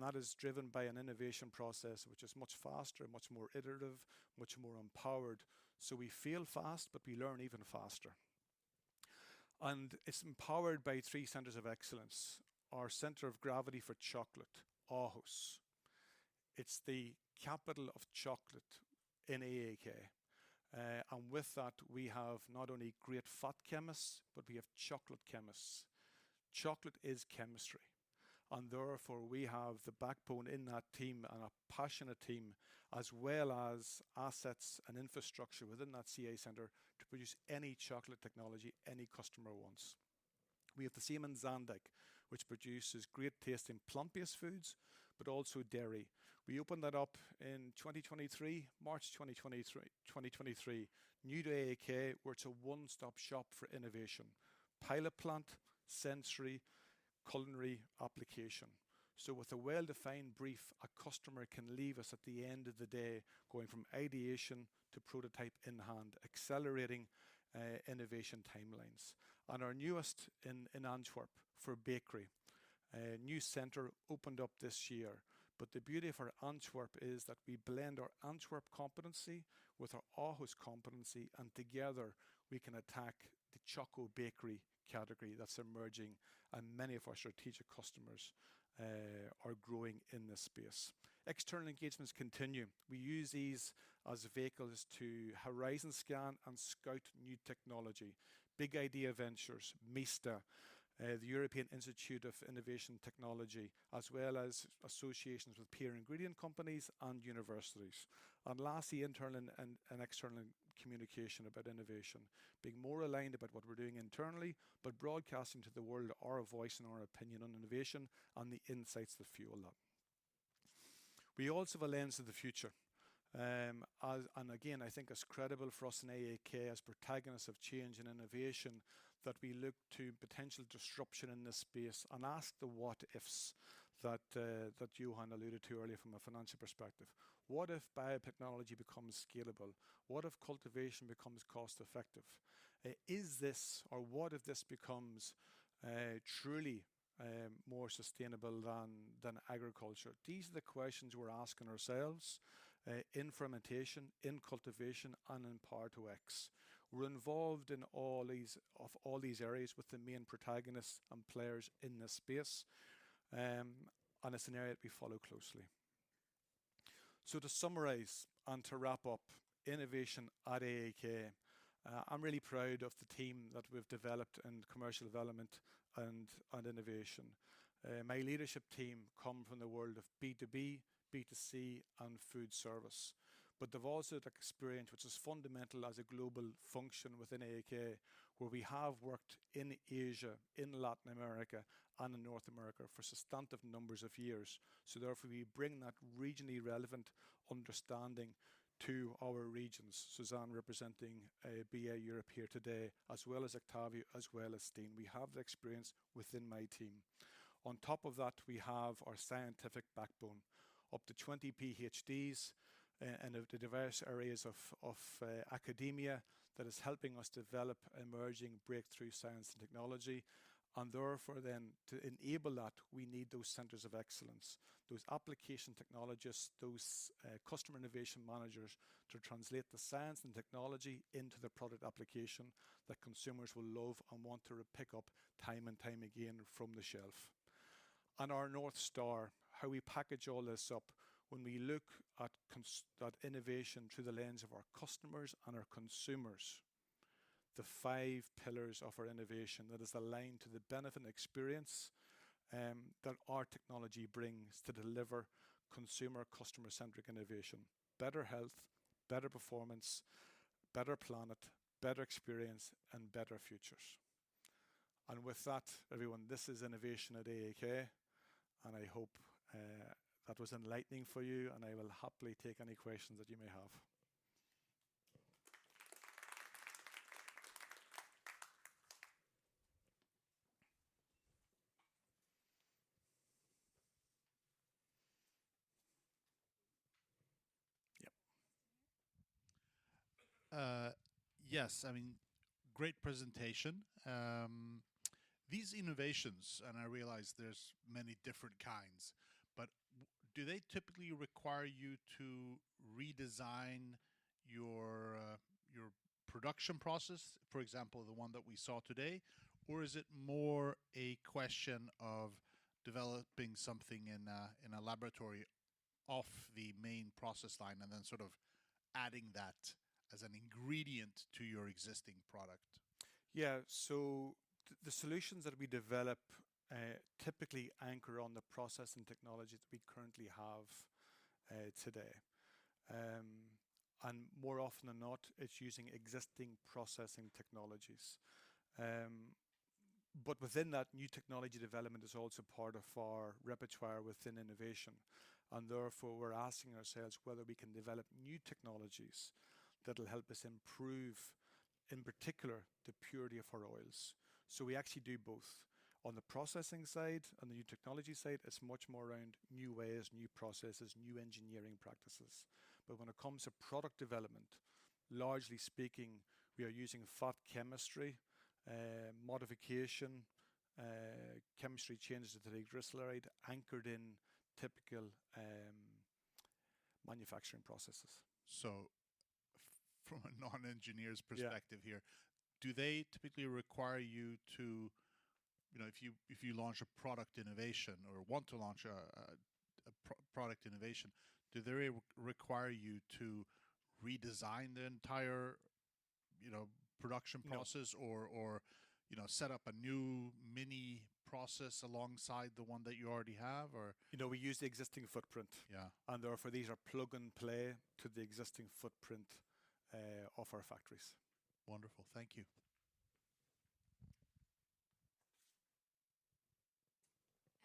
That is driven by an innovation process, which is much faster and much more iterative, much more empowered. We fail fast, but we learn even faster. It's empowered by three Centers of Excellence. Our center of gravity for chocolate, Aarhus. It's the capital of chocolate in AAK. With that, we have not only great fat chemists, but we have chocolate chemists. Chocolate is chemistry. Therefore, we have the backbone in that team and a passionate team, as well as assets and infrastructure within that CoE center to produce any chocolate technology any customer wants. We have the same in Zaandijk, which produces great taste in plant-based foods, but also dairy. We opened that up in 2023, March 2023. New to AAK, where it's a one-stop shop for innovation. Pilot plant, sensory, culinary application. With a well-defined brief, a customer can leave us at the end of the day going from ideation to prototype in hand, accelerating innovation timelines. Our newest in Antwerp for bakery. A new center opened up this year, but the beauty for Antwerp is that we blend our Antwerp competency with our Aarhus competency, and together we can attack the choco-bakery category that's emerging, and many of our strategic customers are growing in this space. External engagements continue. We use these as vehicles to horizon scan and scout new technology. Big Idea Ventures, MISTA, the European Institute of Innovation and Technology, as well as associations with peer ingredient companies and universities. Lastly, internal and external communication about innovation. Being more aligned about what we're doing internally, but broadcasting to the world our voice and our opinion on innovation and the insights that fuel that. We also have a lens to the future. Again, I think it's credible for us in AAK as protagonists of change and innovation, that we look to potential disruption in this space and ask the what ifs that Johan alluded to earlier from a financial perspective. What if biotechnology becomes scalable? What if cultivation becomes cost-effective? What if this becomes truly more sustainable than agriculture? These are the questions we're asking ourselves in fermentation, in cultivation, and in Power-to-X. We're involved in all these areas with the main protagonists and players in this space, a scenario that we follow closely. To summarize and to wrap up innovation at AAK, I'm really proud of the team that we've developed in commercial development and innovation. My leadership team come from the world of B2B, B2C, and food service, but they've also that experience which is fundamental as a global function within AAK, where we have worked in Asia, in Latin America, and in North America for substantive numbers of years. Therefore, we bring that regionally relevant understanding to our regions. Suzanne representing BA Europe here today, as well as Octavio, as well as Stine, we have the experience within my team. On top of that, we have our scientific backbone. Up to 20 PhDs, and of the diverse areas of academia that is helping us develop emerging breakthrough science and technology. Therefore, then, to enable that, we need those Centers of Excellence, those application technologists, those, customer innovation managers to translate the science and technology into the product application that consumers will love and want to re-pick up time and time again from the shelf. Our North Star, how we package all this up, when we look at innovation through the lens of our customers and our consumers, the five pillars of our innovation that is aligned to the benefit and experience, that our technology brings to deliver consumer customer-centric innovation, better health, better performance, better planet, better experience, and better futures. With that, everyone, this is innovation at AAK, and I hope, that was enlightening for you, and I will happily take any questions that you may have. Yep. Yes. I mean, great presentation. These innovations, I realize there's many different kinds, but do they typically require you to redesign your production process, for example, the one that we saw today? Is it more a question of developing something in a laboratory off the main process line and then sort of adding that as an ingredient to your existing product? Yeah. The solutions that we develop typically anchor on the process and technology that we currently have today. More often than not, it's using existing processing technologies. Within that, new technology development is also part of our repertoire within innovation, and therefore, we're asking ourselves whether we can develop new technologies that'll help us improve, in particular, the purity of our oils. We actually do both. On the processing side and the new technology side, it's much more around new ways, new processes, new engineering practices. When it comes to product development, largely speaking, we are using fat chemistry, modification, chemistry changes to the triglyceride anchored in typical manufacturing processes. From a non-engineer's perspective here. Yeah Do they typically require you to, you know, if you launch a product innovation or want to launch a product innovation, do they require you to redesign the entire, you know, production process? No You know, set up a new mini process alongside the one that you already have, or? You know, we use the existing footprint. Yeah. Therefore, these are plug and play to the existing footprint of our factories. Wonderful. Thank you.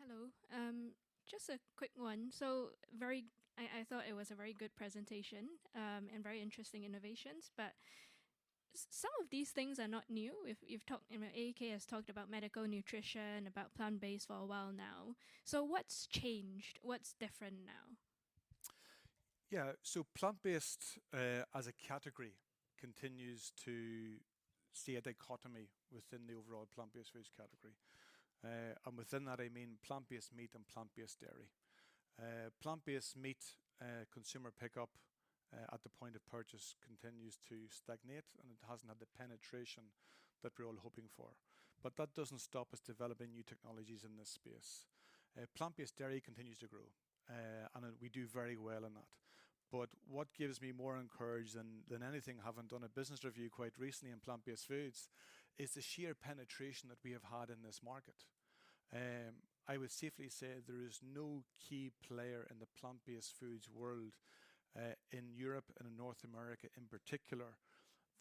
Hello. Just a quick one. I thought it was a very good presentation and very interesting innovations, but some of these things are not new. If you've talked, I mean, AAK has talked about medical nutrition, about plant-based for a while now. What's changed? What's different now? Yeah. Plant-based as a category continues to see a dichotomy within the overall plant-based foods category. Within that, I mean plant-based meat and plant-based dairy. Plant-based meat, consumer pickup at the point of purchase continues to stagnate, it hasn't had the penetration that we're all hoping for. That doesn't stop us developing new technologies in this space. Plant-based dairy continues to grow, we do very well in that. What gives me more encouragement than anything, having done a business review quite recently in plant-based foods, is the sheer penetration that we have had in this market. I would safely say there is no key player in the plant-based foods world in Europe and in North America in particular,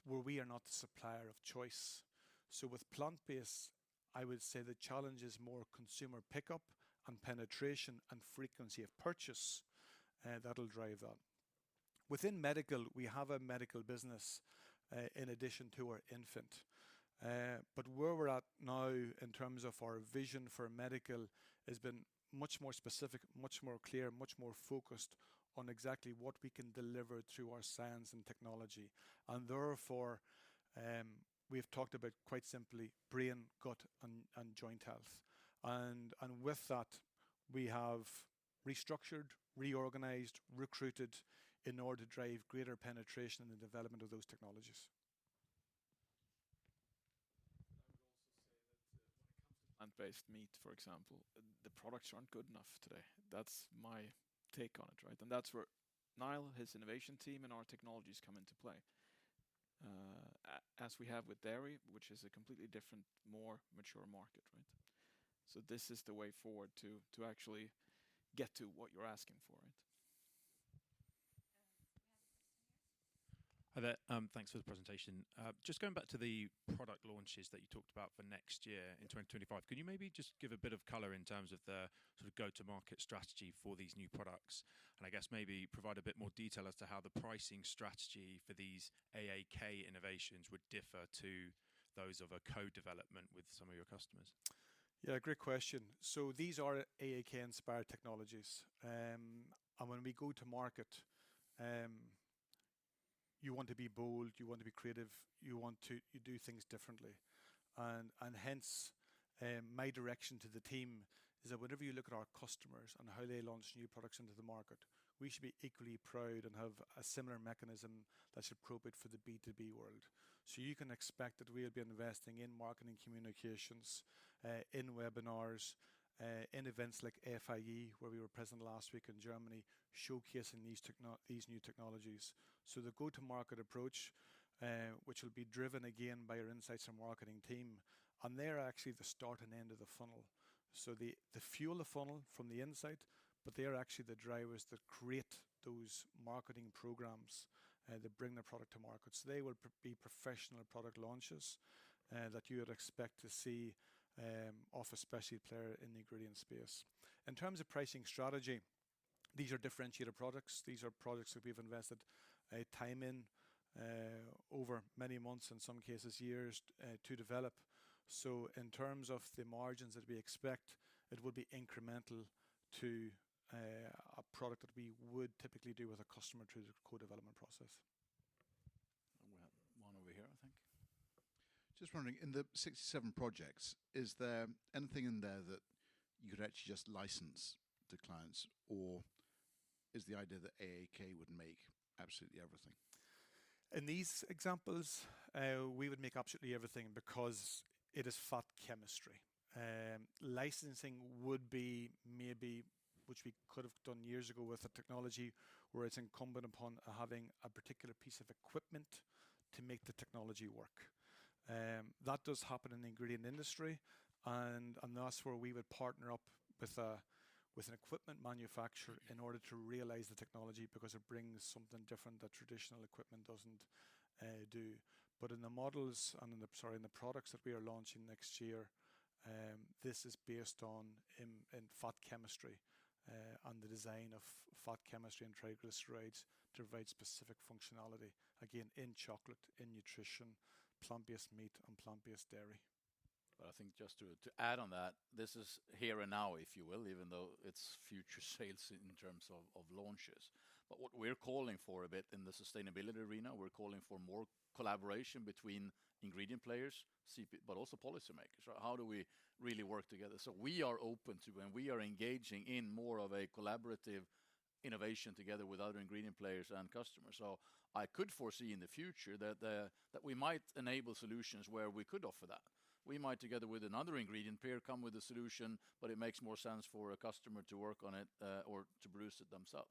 where we are not the supplier of choice. With plant-based, I would say the challenge is more consumer pickup and penetration and frequency of purchase, that'll drive that. Within medical, we have a medical business, in addition to our infant. Where we're at now in terms of our vision for medical has been much more specific, much more clear, much more focused on exactly what we can deliver through our science and technology. Therefore, we've talked about quite simply brain, gut, and joint health. With that, we have restructured, reorganized, recruited in order to drive greater penetration in the development of those technologies. I would also say that when it comes to plant-based meat, for example, the products aren't good enough today. That's my take on it, right? That's where Niall, his innovation team, and our technologies come into play as we have with dairy, which is a completely different, more mature market, right? This is the way forward to actually get to what you're asking for it. We have someone here. Hi there. Thanks for the presentation. Just going back to the product launches that you talked about for next year in 2025, could you maybe just give a bit of color in terms of the sort of go-to-market strategy for these new products, I guess maybe provide a bit more detail as to pricing strategy for these AAK innovations would differ to those of a co-development with some of your customers? Yeah, great question. These are AAK-inspired technologies. When we go to market, you want to be bold, you want to be creative, you want to do things differently. Hence, my direction to the team is that whenever you look at our customers and how they launch new products into the market, we should be equally proud and have a similar mechanism that's appropriate for the B2B world. You can expect that we'll be investing in marketing communications, in webinars, in events like Fi Europe, where we were present last week in Germany, showcasing these new technologies. The go-to-market approach, which will be driven again by our insights and marketing team, and they're actually the start and end of the funnel. They fuel the funnel from the insight, but they are actually the drivers that create those marketing programs that bring the product to market. They will be professional product launches that you would expect to see of a specialty player in the ingredient space. In terms of pricing strategy, these are differentiator products. These are products that we've invested time in over many months, in some cases years, to develop. In terms of the margins that we expect, it will be incremental to a product that we would typically do with a customer through the Co-Development process. We have one over here, I think. Just wondering, in the 67 projects, is there anything in there that you could actually just license to clients, or is the idea that AAK would make absolutely everything? In these examples, we would make absolutely everything because it is fat chemistry. Licensing would be maybe, which we could have done years ago with a technology where it's incumbent upon having a particular piece of equipment to make the technology work. That does happen in the ingredient industry and that's where we would partner up with an equipment manufacturer in order to realize the technology because it brings something different that traditional equipment doesn't do. In the models and in the, sorry, in the products that we are launching next year, this is based on in fat chemistry, and the design of fat chemistry and triglycerides to provide specific functionality, again, in chocolate, in nutrition, plant-based meat and plant-based dairy. I think just to add on that, this is here and now, if you will, even though it's future sales in terms of launches. What we're calling for a bit in the sustainability arena, we're calling for more collaboration between ingredient players, CP, but also policymakers, right? How do we really work together? So we are open to and we are engaging in more of a collaborative innovation together with other ingredient players and customers. I could foresee in the future that the, that we might enable solutions where we could offer that. We might, together with another ingredient player, come with a solution, but it makes more sense for a customer to work on it, or to produce it themselves.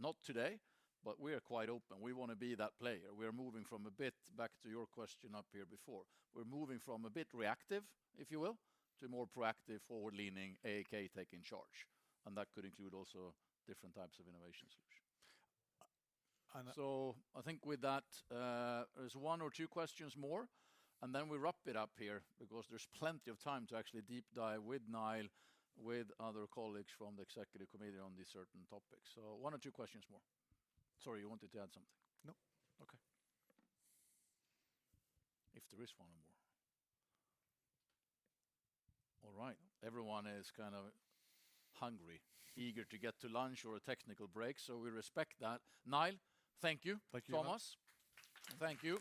Not today, but we are quite open. We wanna be that player. We are moving from a bit, back to your question up here before. We're moving from a bit reactive, if you will, to more proactive, forward-leaning, AAK taking charge, and that could include also different types of innovation solution. And that- I think with that, there's one or two questions more, and then we wrap it up here because there's plenty of time to actually deep dive with Niall, with other colleagues from the executive committee on these certain topics. One or two questions more. Sorry, you wanted to add something? No. Okay. If there is one or more. All right. Everyone is kind of hungry, eager to get to lunch or a technical break, so we respect that. Niall, thank you. Thank you. Thomas, thank you.